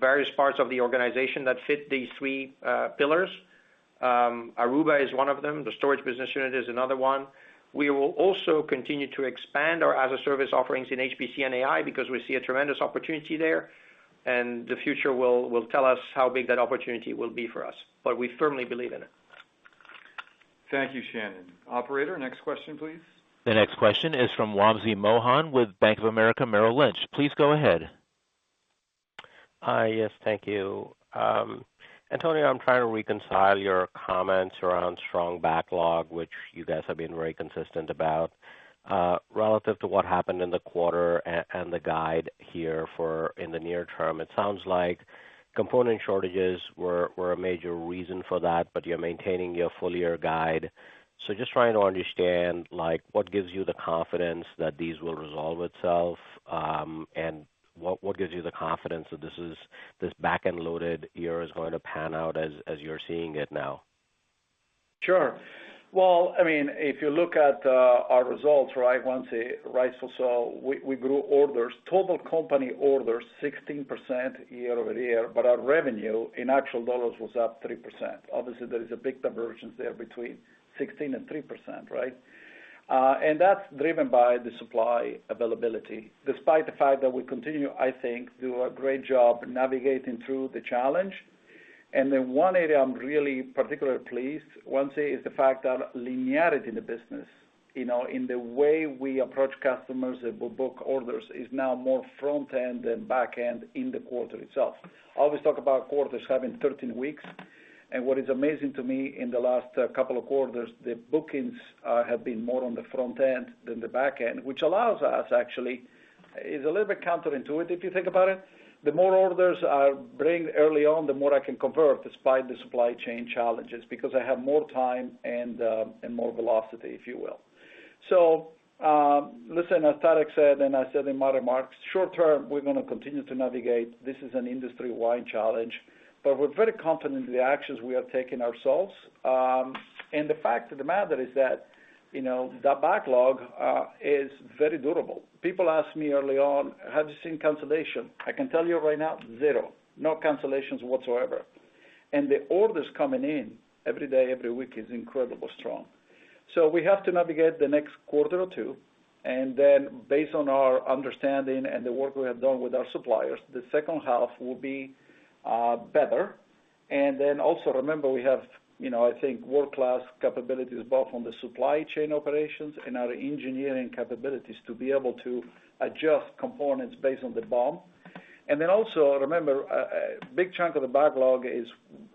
[SPEAKER 4] various parts of the organization that fit these three pillars. Aruba is one of them, the storage business unit is another one. We will also continue to expand our as-a-service offerings in HPC and AI because we see a tremendous opportunity there, and the future will tell us how big that opportunity will be for us. We firmly believe in it.
[SPEAKER 2] Thank you, Shannon. Operator, next question, please.
[SPEAKER 1] The next question is from Wamsi Mohan with Bank of America Merrill Lynch. Please go ahead.
[SPEAKER 6] Yes, thank you. Antonio, I'm trying to reconcile your comments around strong backlog, which you guys have been very consistent about, relative to what happened in the quarter and the guide here for the near term. It sounds like component shortages were a major reason for that, but you're maintaining your full year guide. Just trying to understand, like, what gives you the confidence that these will resolve itself, and what gives you the confidence that this back-end loaded year is going to pan out as you're seeing it now?
[SPEAKER 3] Sure. Well, I mean, if you look at our results, right, Wamsi, so we grew orders, total company orders 16% year-over-year, but our revenue in actual dollars was up 3%. Obviously, there is a big divergence there between 16% and 3%, right? And that's driven by the supply availability, despite the fact that we continue, I think, do a great job navigating through the challenge. The one area I'm really particularly pleased, Wamsi, is the fact that linearity in the business, you know, in the way we approach customers that will book orders is now more front-end than back-end in the quarter itself. I always talk about quarters having 13 weeks, and what is amazing to me in the last couple of quarters, the bookings have been more on the front end than the back end, which allows us actually is a little bit counterintuitive if you think about it. The more orders I bring early on, the more I can convert despite the supply chain challenges because I have more time and more velocity, if you will. Listen, as Tarek said, and I said in my remarks, short term, we're gonna continue to navigate. This is an industry-wide challenge, but we're very confident in the actions we have taken ourselves. The fact of the matter is that, you know, the backlog is very durable. People ask me early on, have you seen cancellation? I can tell you right now, zero. No cancellations whatsoever. The orders coming in every day, every week is incredibly strong. We have to navigate the next quarter or two, and then based on our understanding and the work we have done with our suppliers, the second half will be better. Then also remember, we have, you know, I think world-class capabilities, both on the supply chain operations and our engineering capabilities to be able to adjust components based on the BOM. Then also remember a big chunk of the backlog is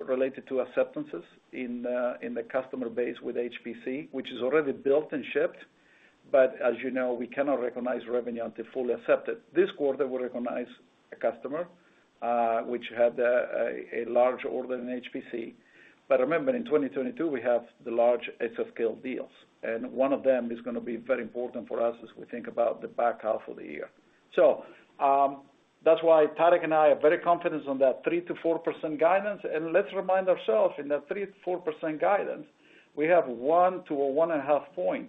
[SPEAKER 3] related to acceptances in the customer base with HPC, which is already built and shipped. As you know, we cannot recognize revenue until fully accepted. This quarter, we recognized a customer which had a large order in HPC. Remember, in 2022, we have the large edge of scale deals, and one of them is gonna be very important for us as we think about the back half of the year. That's why Tarek and I are very confident on that 3%-4% guidance. Let's remind ourselves in that 3%-4% guidance, we have 1-1.5 point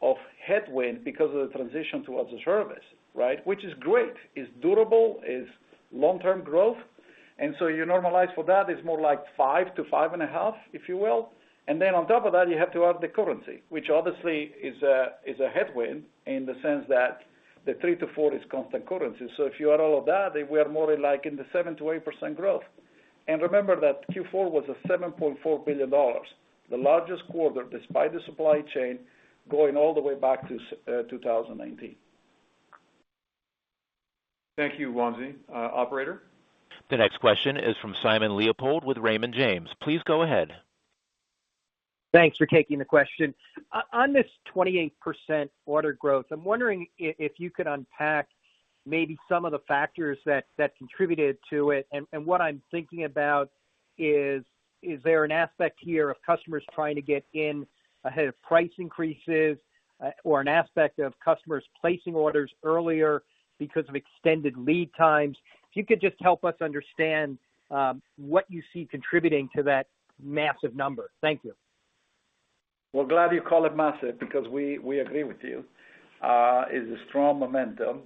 [SPEAKER 3] of headwind because of the transition towards a service, right? Which is great. It's durable, it's long-term growth, and so you normalize for that, it's more like 5-5.5, if you will. Then on top of that, you have to add the currency, which obviously is a headwind in the sense that the 3%-4% is constant currency. If you add all of that, we are more like in the 7%-8% growth. Remember that Q4 was $7.4 billion, the largest quarter despite the supply chain going all the way back to 2019.
[SPEAKER 2] Thank you, Wamsi. Operator?
[SPEAKER 1] The next question is from Simon Leopold with Raymond James. Please go ahead.
[SPEAKER 7] Thanks for taking the question. On this 28% order growth, I'm wondering if you could unpack maybe some of the factors that contributed to it. What I'm thinking about is there an aspect here of customers trying to get in ahead of price increases, or an aspect of customers placing orders earlier because of extended lead times? If you could just help us understand what you see contributing to that massive number. Thank you.
[SPEAKER 3] Well, glad you call it massive because we agree with you. It's a strong momentum,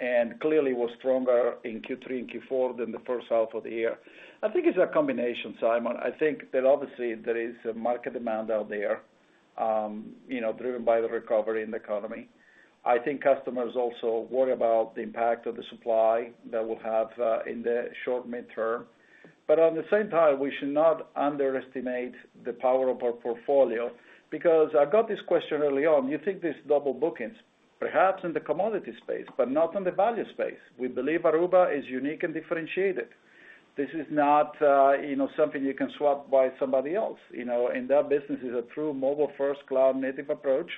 [SPEAKER 3] and clearly was stronger in Q3 and Q4 than the first half of the year. I think it's a combination, Simon. I think that obviously there is a market demand out there, you know, driven by the recovery in the economy. I think customers also worry about the impact of the supply that we'll have in the short mid-term. But at the same time, we should not underestimate the power of our portfolio because I got this question early on. You think there's double bookings perhaps in the commodity space, but not in the value space. We believe Aruba is unique and differentiated. This is not, you know, something you can swap by somebody else, you know. That business is a true mobile first cloud native approach.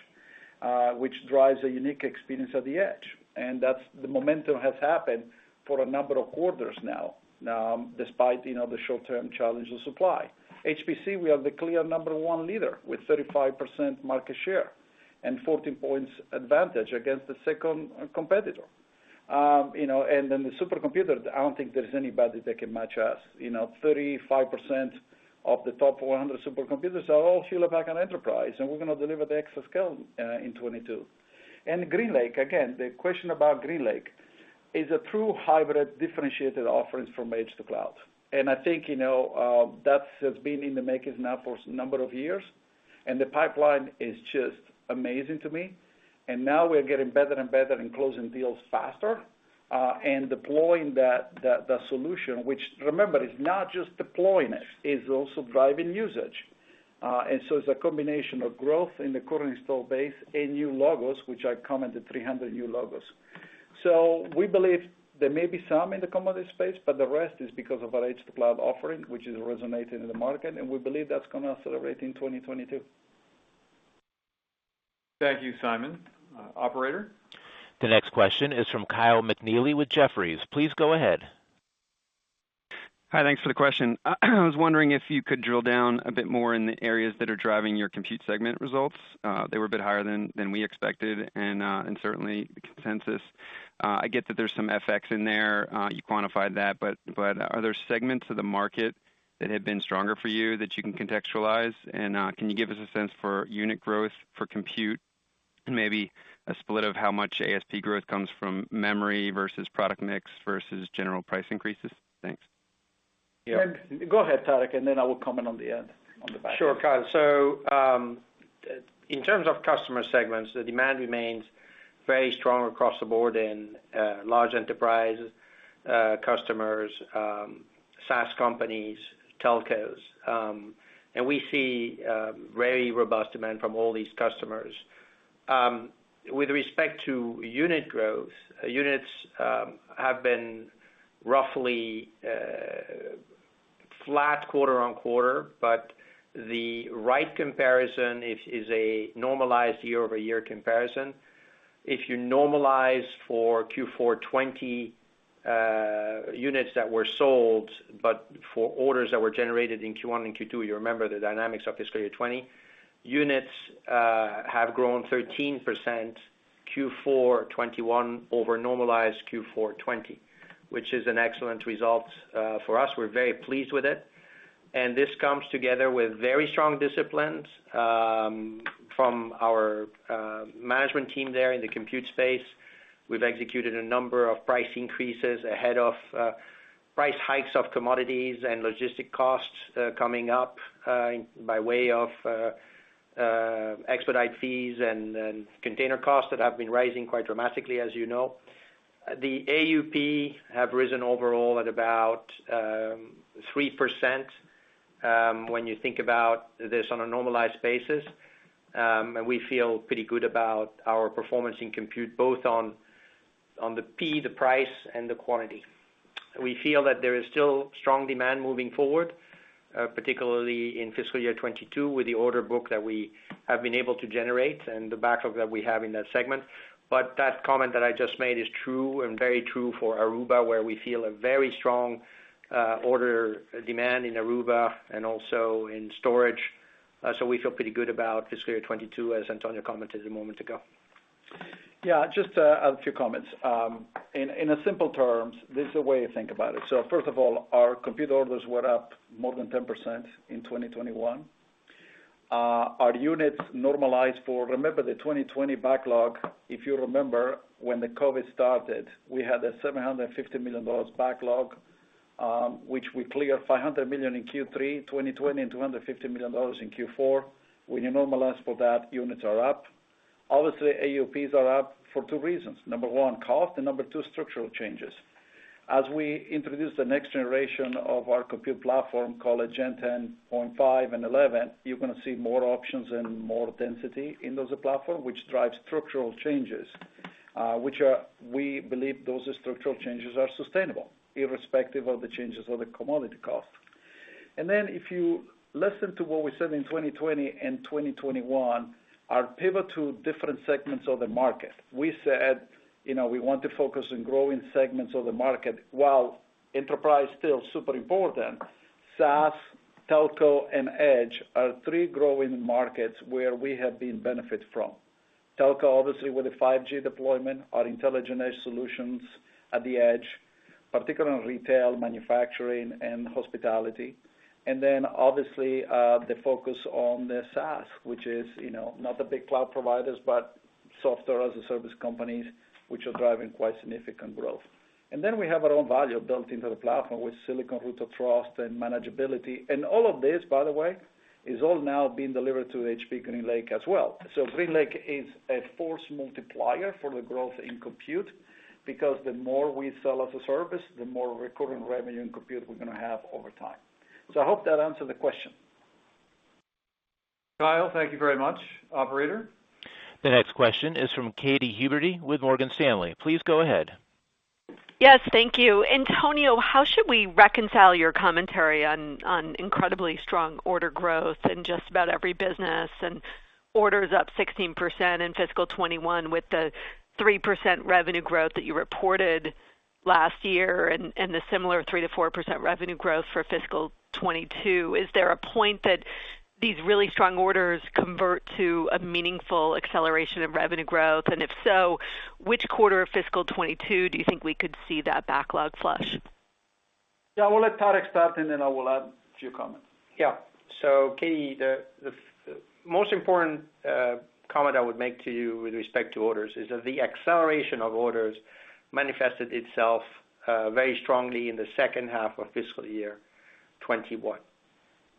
[SPEAKER 3] Which drives a unique experience at the edge. That's the momentum has happened for a number of quarters now, despite, you know, the short-term challenge of supply. HPC, we are the clear number one leader with 35% market share and 14 points advantage against the second competitor. You know, and then the supercomputer, I don't think there's anybody that can match us. You know, 35% of the top 100 supercomputers are all Hewlett Packard Enterprise, and we're gonna deliver the exascale in 2022. GreenLake, again, the question about GreenLake, is a true hybrid differentiated offerings from edge to cloud. I think, you know, that's, it's been in the making now for number of years, and the pipeline is just amazing to me. Now we're getting better and better and closing deals faster and deploying that, the solution which remember, is not just deploying it, is also driving usage. It's a combination of growth in the current install base and new logos, which I commented 300 new logos. We believe there may be some in the commodity space, but the rest is because of our edge to cloud offering, which is resonating in the market, and we believe that's gonna accelerate in 2022.
[SPEAKER 2] Thank you, Simon. Operator?
[SPEAKER 1] The next question is from Kyle McNealy with Jefferies. Please go ahead.
[SPEAKER 8] Hi. Thanks for the question. I was wondering if you could drill down a bit more in the areas that are driving your compute segment results. They were a bit higher than we expected and certainly consensus. I get that there's some FX in there, you quantified that, but are there segments of the market that have been stronger for you that you can contextualize? Can you give us a sense for unit growth for compute and maybe a split of how much ASP growth comes from memory versus product mix versus general price increases? Thanks.
[SPEAKER 4] Yeah.
[SPEAKER 3] Go ahead, Tarek, and then I will comment on the end, on the back end.
[SPEAKER 4] Sure, Kyle. In terms of customer segments, the demand remains very strong across the board in large enterprise customers, SaaS companies, telcos, and we see very robust demand from all these customers. With respect to unit growth, units have been roughly flat quarter-on-quarter, but the right comparison is a normalized year-over-year comparison. If you normalize for Q4 2020 units that were sold, but for orders that were generated in Q1 and Q2, you remember the dynamics of fiscal year 2020, units have grown 13% Q4 2021 over normalized Q4 2020, which is an excellent result for us. We're very pleased with it. This comes together with very strong disciplines from our management team there in the compute space. We've executed a number of price increases ahead of price hikes of commodities and logistic costs coming up by way of expedite fees and container costs that have been rising quite dramatically, as you know. The AUP have risen overall at about 3%, when you think about this on a normalized basis. We feel pretty good about our performance in compute, both on the price and the quantity. We feel that there is still strong demand moving forward, particularly in fiscal year 2022 with the order book that we have been able to generate and the backlog that we have in that segment. That comment that I just made is true and very true for Aruba, where we feel a very strong order demand in Aruba and also in storage. We feel pretty good about fiscal year 2022, as Antonio commented a moment ago.
[SPEAKER 3] Yeah, just a few comments. In simple terms, this is a way to think about it. First of all, our compute orders were up more than 10% in 2021. Our units normalized for, remember the 2020 backlog, if you remember when the COVID started, we had a $750 million backlog, which we cleared $500 million in Q3 2020 and $250 million in Q4. When you normalize for that, units are up. Obviously, AUPs are up for two reasons. Number one, cost, and number two, structural changes. As we introduce the next generation of our compute platform called Gen10 Plus and 11, you're gonna see more options and more density in those platforms, which drives structural changes, which we believe are sustainable irrespective of the changes of the commodity cost. If you listen to what we said in 2020 and 2021, our pivot to different segments of the market. We said, you know, we want to focus on growing segments of the market, while enterprise still super important, SaaS, telco, and edge are three growing markets where we have benefited from. Telco, obviously with the 5G deployment, our intelligent edge solutions at the edge, particularly in retail, manufacturing and hospitality. Obviously, the focus on the SaaS, which is, you know, not the big cloud providers, but software as a service companies which are driving quite significant growth. We have our own value built into the platform with Silicon Root of Trust and manageability. All of this, by the way, is all now being delivered to HPE GreenLake as well. GreenLake is a force multiplier for the growth in compute because the more we sell as a service, the more recurring revenue in compute we're gonna have over time. I hope that answered the question.
[SPEAKER 2] Kyle, thank you very much. Operator?
[SPEAKER 1] The next question is from Katy Huberty with Morgan Stanley. Please go ahead.
[SPEAKER 9] Yes. Thank you. Antonio, how should we reconcile your commentary on incredibly strong order growth in just about every business and orders up 16% in fiscal 2021 with the 3% revenue growth that you reported last year and the similar 3%-4% revenue growth for fiscal 2022? Is there a point that these really strong orders convert to a meaningful acceleration of revenue growth? And if so, which quarter of fiscal 2022 do you think we could see that backlog flush?
[SPEAKER 3] Yeah, I will let Tarek start, and then I will add a few comments.
[SPEAKER 4] Katy, the most important comment I would make to you with respect to orders is that the acceleration of orders manifested itself very strongly in the second half of fiscal year 2021,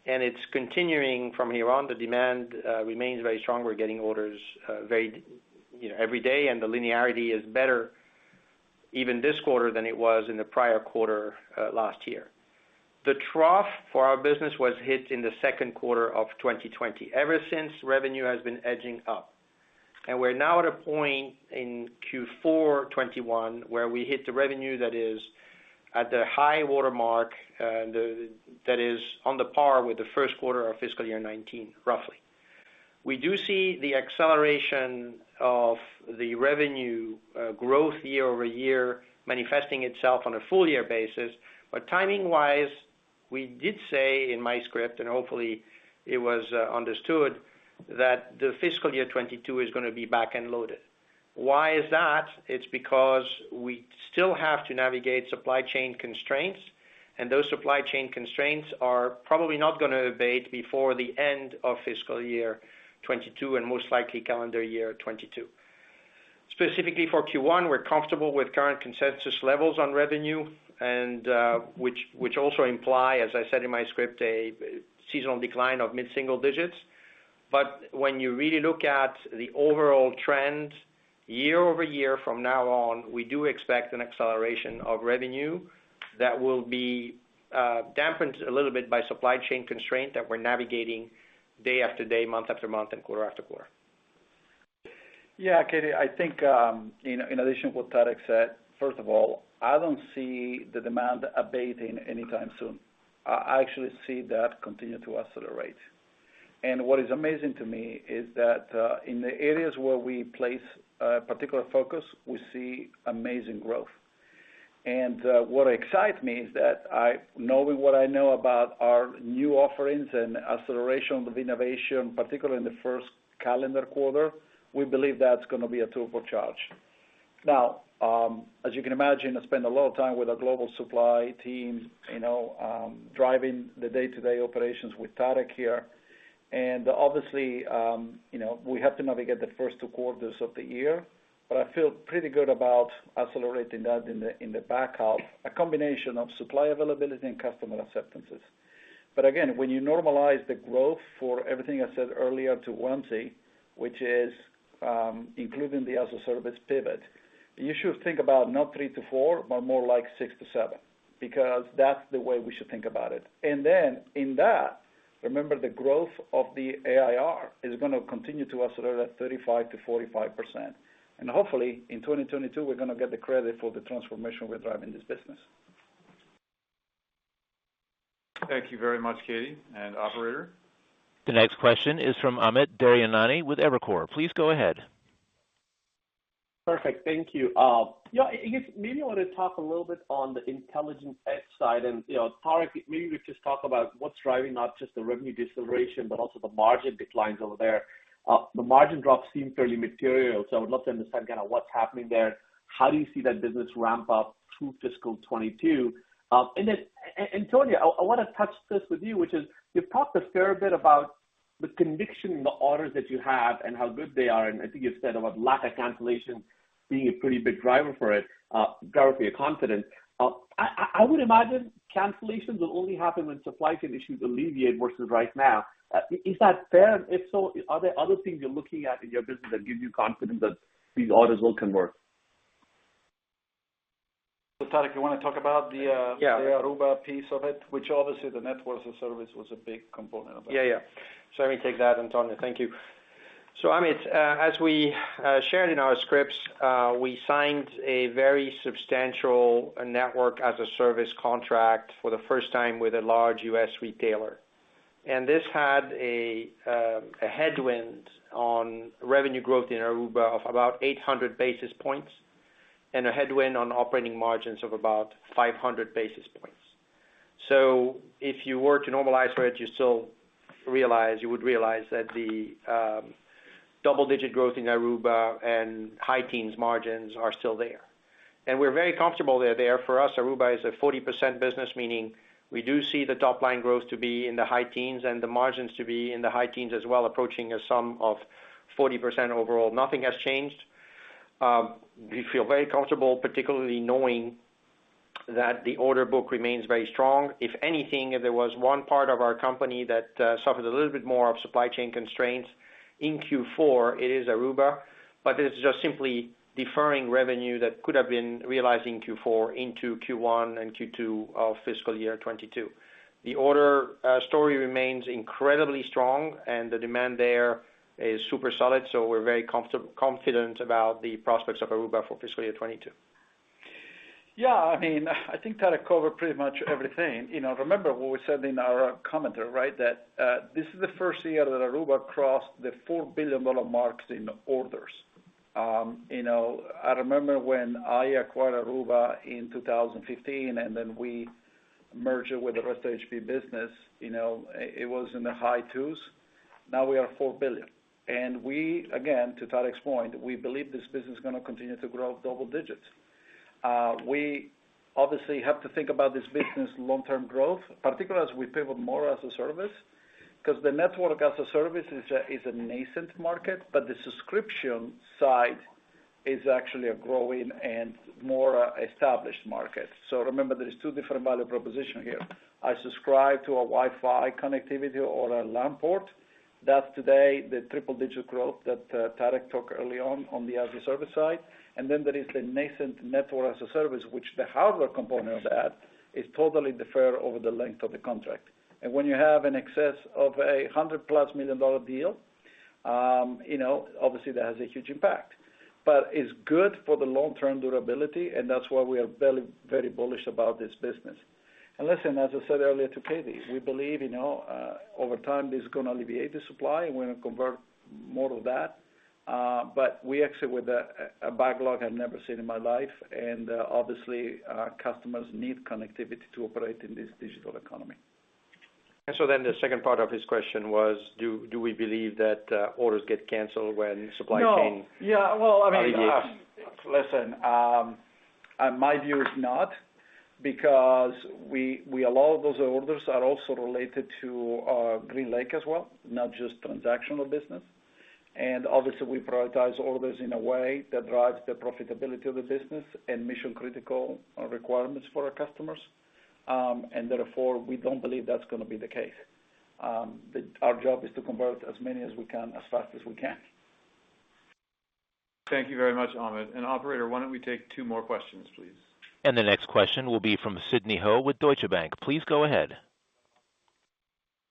[SPEAKER 4] and it's continuing from here on. The demand remains very strong. We're getting orders very, you know, every day, and the linearity is better even this quarter than it was in the prior quarter last year. The trough for our business was hit in the second quarter of 2020. Ever since, revenue has been edging up. We're now at a point in Q4 2021 where we hit the revenue that is at the high watermark that is on par with the first quarter of fiscal year 2019, roughly. We do see the acceleration of the revenue, growth year-over-year manifesting itself on a full year basis. Timing-wise, we did say in my script, and hopefully it was understood, that the fiscal year 2022 is gonna be back-end loaded. Why is that? It's because we still have to navigate supply chain constraints, and those supply chain constraints are probably not gonna abate before the end of fiscal year 2022 and most likely calendar year 2022. Specifically for Q1, we're comfortable with current consensus levels on revenue and which also imply, as I said in my script, a seasonal decline of mid-single digits. When you really look at the overall trend year-over-year from now on, we do expect an acceleration of revenue that will be dampened a little bit by supply chain constraint that we're navigating day after day, month after month, and quarter after quarter.
[SPEAKER 3] Yeah, Katy, I think in addition to what Tarek said, first of all, I don't see the demand abating anytime soon. I actually see that continue to accelerate. What is amazing to me is that in the areas where we place a particular focus, we see amazing growth. What excites me is that knowing what I know about our new offerings and acceleration of innovation, particularly in the first calendar quarter, we believe that's gonna be a turbocharge. Now, as you can imagine, I spend a lot of time with our global supply teams, you know, driving the day-to-day operations with Tarek here. Obviously, you know, we have to navigate the first two quarters of the year, but I feel pretty good about accelerating that in the back half, a combination of supply availability and customer acceptances. Again, when you normalize the growth for everything I said earlier to Wamsi, which is including the as-a-service pivot, you should think about not 3%-4%, but more like 6%-7%, because that's the way we should think about it. In that, remember the growth of the ARR is gonna continue to accelerate at 35%-45%. Hopefully, in 2022, we're gonna get the credit for the transformation we're driving this business.
[SPEAKER 2] Thank you very much, Katy and operator.
[SPEAKER 1] The next question is from Amit Daryanani with Evercore. Please go ahead.
[SPEAKER 10] Perfect. Thank you. Yeah, I guess maybe I want to talk a little bit on the intelligent edge side. You know, Tarek, maybe we just talk about what's driving not just the revenue deceleration, but also the margin declines over there. The margin drops seem fairly material, so I would love to understand kinda what's happening there. How do you see that business ramp up through fiscal 2022? Antonio, I wanna touch on this with you, which is you've talked a fair bit about the conviction in the orders that you have and how good they are, and I think you've said about lack of cancellations being a pretty big driver for your confidence. I would imagine cancellations will only happen when supply chain issues alleviate versus right now. Is that fair? If so, are there other things you're looking at in your business that give you confidence that these orders will convert?
[SPEAKER 3] Tarek, you wanna talk about the Aruba piece of it, which obviously the network as a service was a big component of it.
[SPEAKER 4] Yeah, yeah. Let me take that, Antonio. Thank you. Amit, as we shared in our scripts, we signed a very substantial network as a service contract for the first time with a large U.S. retailer. This had a headwind on revenue growth in Aruba of about 800 basis points and a headwind on operating margins of about 500 basis points. If you were to normalize for it, you would realize that the double-digit growth in Aruba and high teens margins are still there. We're very comfortable they're there. For us, Aruba is a 40% business, meaning we do see the top line growth to be in the high teens and the margins to be in the high teens as well, approaching a sum of 40% overall. Nothing has changed. We feel very comfortable, particularly knowing that the order book remains very strong. If anything, if there was one part of our company that suffered a little bit more of supply chain constraints in Q4, it is Aruba. This is just simply deferring revenue that could have been realized in Q4 into Q1 and Q2 of fiscal year 2022. The order story remains incredibly strong, and the demand there is super solid, so we're very confident about the prospects of Aruba for fiscal year 2022.
[SPEAKER 3] Yeah, I mean, I think Tarek covered pretty much everything. You know, remember what we said in our commentary, right? That this is the first year that Aruba crossed the $4 billion mark in orders. You know, I remember when I acquired Aruba in 2015, and then we merged it with the rest of HP business. You know, it was in the high twos. Now we are $4 billion. We, again, to Tarek's point, we believe this business is gonna continue to grow double digits. We obviously have to think about this business long-term growth, particularly as we pivot more as a service, 'cause the network as a service is a nascent market, but the subscription side is actually a growing and more established market. Remember, there is two different value proposition here. I subscribe to a Wi-Fi connectivity or a LAN port. That's today, the triple-digit growth that Tarek talked early on the as-a-service side. Then there is the nascent network as a service, which the hardware component of that is totally deferred over the length of the contract. When you have an excess of a $100+ million deal, you know, obviously, that has a huge impact. It's good for the long-term durability, and that's why we are very, very bullish about this business. Listen, as I said earlier to Katy, we believe, you know, over time, this is gonna alleviate the supply, and we're gonna convert more of that. We exit with a backlog I've never seen in my life. Obviously, our customers need connectivity to operate in this digital economy.
[SPEAKER 4] The second part of his question was, do we believe that orders get canceled when supply chain-
[SPEAKER 3] No. Yeah, well, I mean.
[SPEAKER 4] -alleviates.
[SPEAKER 3] Listen, my view is not because we allow those orders are also related to GreenLake as well, not just transactional business. Obviously, we prioritize orders in a way that drives the profitability of the business and mission-critical requirements for our customers. Therefore, we don't believe that's gonna be the case. Our job is to convert as many as we can, as fast as we can.
[SPEAKER 2] Thank you very much, Amit. Operator, why don't we take two more questions, please?
[SPEAKER 1] The next question will be from Sidney Ho with Deutsche Bank. Please go ahead.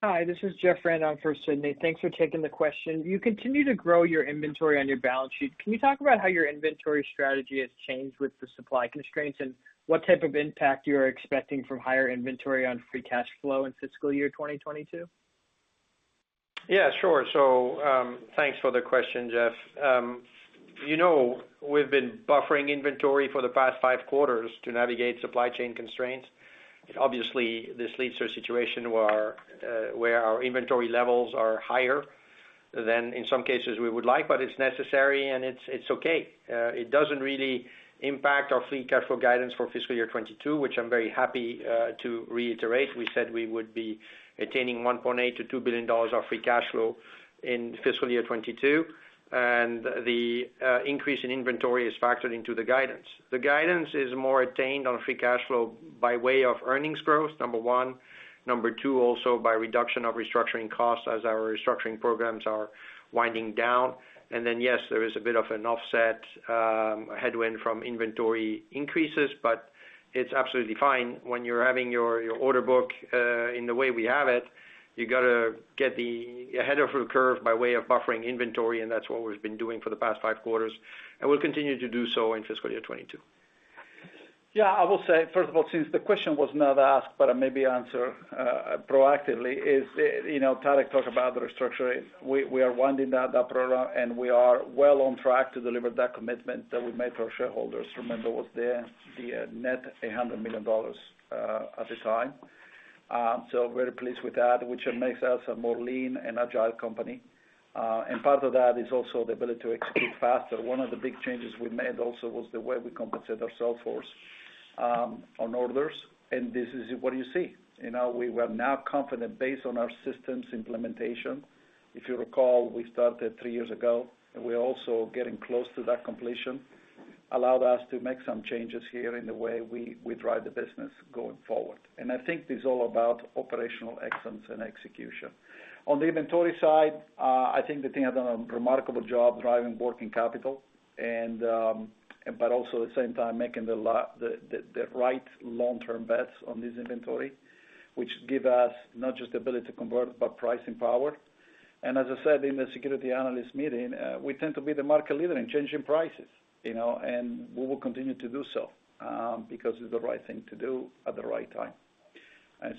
[SPEAKER 11] Hi, this is Jeff Rand on for Sidney Ho. Thanks for taking the question. You continue to grow your inventory on your balance sheet. Can you talk about how your inventory strategy has changed with the supply constraints and what type of impact you're expecting from higher inventory on free cash flow in fiscal year 2022?
[SPEAKER 4] Yeah, sure. Thanks for the question, Jeff. You know, we've been buffering inventory for the past five quarters to navigate supply chain constraints. Obviously, this leads to a situation where our inventory levels are higher than in some cases we would like, but it's necessary and it's okay. It doesn't really impact our free cash flow guidance for fiscal year 2022, which I'm very happy to reiterate. We said we would be attaining $1.8 billion-$2 billion of free cash flow in fiscal year 2022, and the increase in inventory is factored into the guidance. The guidance is more attained on free cash flow by way of earnings growth, number one. Number two, also by reduction of restructuring costs as our restructuring programs are winding down. Yes, there is a bit of an offset, a headwind from inventory increases, but it's absolutely fine when you're having your order book in the way we have it. You gotta get ahead of the curve by way of buffering inventory, and that's what we've been doing for the past five quarters, and we'll continue to do so in fiscal year 2022.
[SPEAKER 3] I will say, first of all, since the question was not asked, but I may answer proactively. You know, Tarek talked about the restructuring. We are winding that up, and we are well on track to deliver that commitment that we made to our shareholders. Remember, it was the net $800 million at the time. Very pleased with that, which makes us a more lean and agile company. Part of that is also the ability to execute faster. One of the big changes we made also was the way we compensate our sales force on orders, and this is what you see. You know, we are now confident based on our systems implementation. If you recall, we started three years ago, and we're also getting close to that completion, allowed us to make some changes here in the way we drive the business going forward. I think it's all about operational excellence and execution. On the inventory side, I think the team has done a remarkable job driving working capital, but also at the same time making the right long-term bets on this inventory, which give us not just the ability to convert, but pricing power. As I said in the securities analyst meeting, we tend to be the market leader in changing prices, you know, and we will continue to do so, because it's the right thing to do at the right time.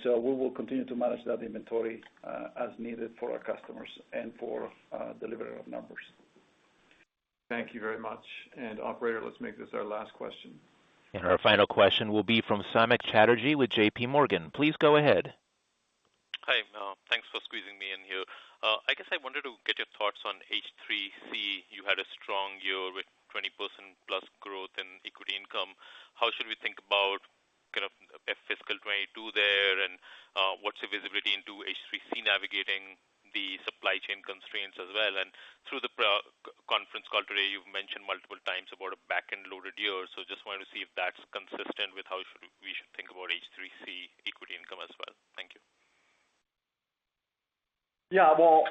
[SPEAKER 3] We will continue to manage that inventory as needed for our customers and for delivery of numbers.
[SPEAKER 2] Thank you very much. Operator, let's make this our last question.
[SPEAKER 1] Our final question will be from Samik Chatterjee with J.P. Morgan. Please go ahead.
[SPEAKER 12] Hi, thanks for squeezing me in here. I guess I wanted to get your thoughts on H3C. You had a strong year with 20% plus growth in equity income. How should we think about kind of a fiscal 2022 there, and what's the visibility into H3C navigating the supply chain constraints as well? Through the conference call today, you've mentioned multiple times about a back-end loaded year. Just wanted to see if that's consistent with how we should think about H3C equity income as well. Thank you.
[SPEAKER 3] Yeah, well,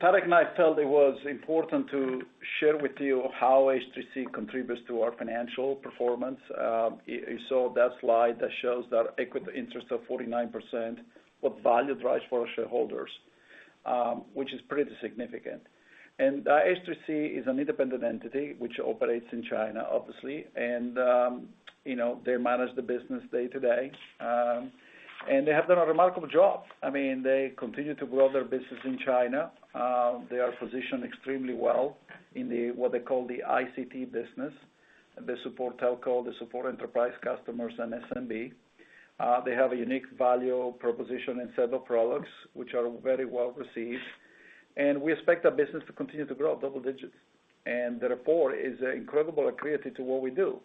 [SPEAKER 3] Tarek and I felt it was important to share with you how H3C contributes to our financial performance. You saw that slide that shows that equity interest of 49%, what value drives for our shareholders, which is pretty significant. H3C is an independent entity which operates in China, obviously. You know, they manage the business day to day. They have done a remarkable job. I mean, they continue to grow their business in China. They are positioned extremely well in the, what they call the ICT business. They support telco, they support enterprise customers and SMB. They have a unique value proposition in several products, which are very well received. We expect that business to continue to grow double digits. The report is incredibly accretive to what we do.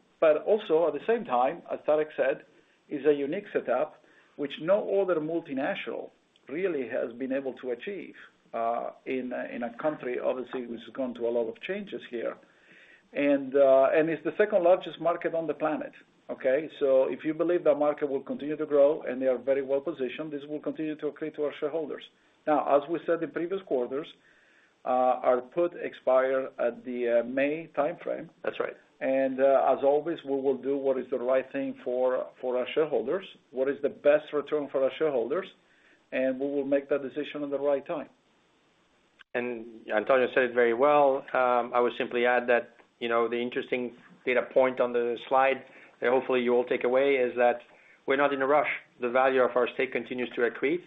[SPEAKER 3] Also at the same time, as Tarek said, is a unique setup which no other multinational really has been able to achieve in a country, obviously, which has gone through a lot of changes here. It's the second-largest market on the planet, okay. If you believe that market will continue to grow and they are very well positioned, this will continue to accrete to our shareholders. Now, as we said in previous quarters, our put expire at the May timeframe.
[SPEAKER 4] That's right.
[SPEAKER 3] As always, we will do what is the right thing for our shareholders, what is the best return for our shareholders, and we will make that decision at the right time.
[SPEAKER 4] Antonio said it very well. I would simply add that, you know, the interesting data point on the slide that hopefully you all take away is that we're not in a rush. The value of our stake continues to accrete,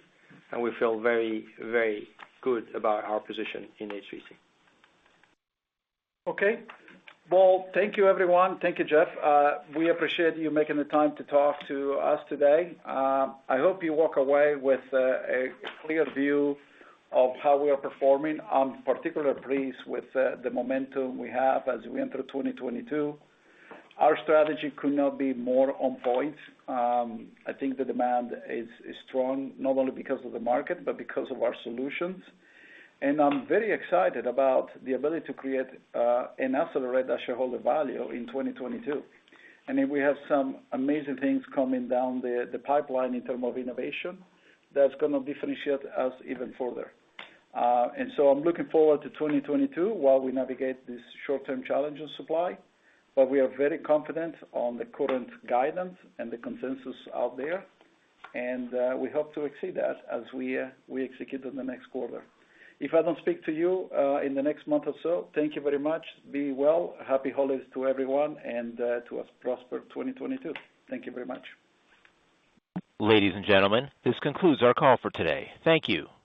[SPEAKER 4] and we feel very, very good about our position in H3C.
[SPEAKER 3] Okay. Well, thank you everyone. Thank you, Jeff. We appreciate you making the time to talk to us today. I hope you walk away with a clear view of how we are performing. I'm particularly pleased with the momentum we have as we enter 2022. Our strategy could not be more on point. I think the demand is strong, not only because of the market, but because of our solutions. I'm very excited about the ability to create and accelerate our shareholder value in 2022. We have some amazing things coming down the pipeline in terms of innovation that's gonna differentiate us even further. I'm looking forward to 2022 while we navigate these short-term challenges supply. We are very confident on the current guidance and the consensus out there. We hope to exceed that as we execute in the next quarter. If I don't speak to you in the next month or so, thank you very much. Be well. Happy holidays to everyone and to a prosperous 2022. Thank you very much.
[SPEAKER 1] Ladies and gentlemen, this concludes our call for today. Thank you.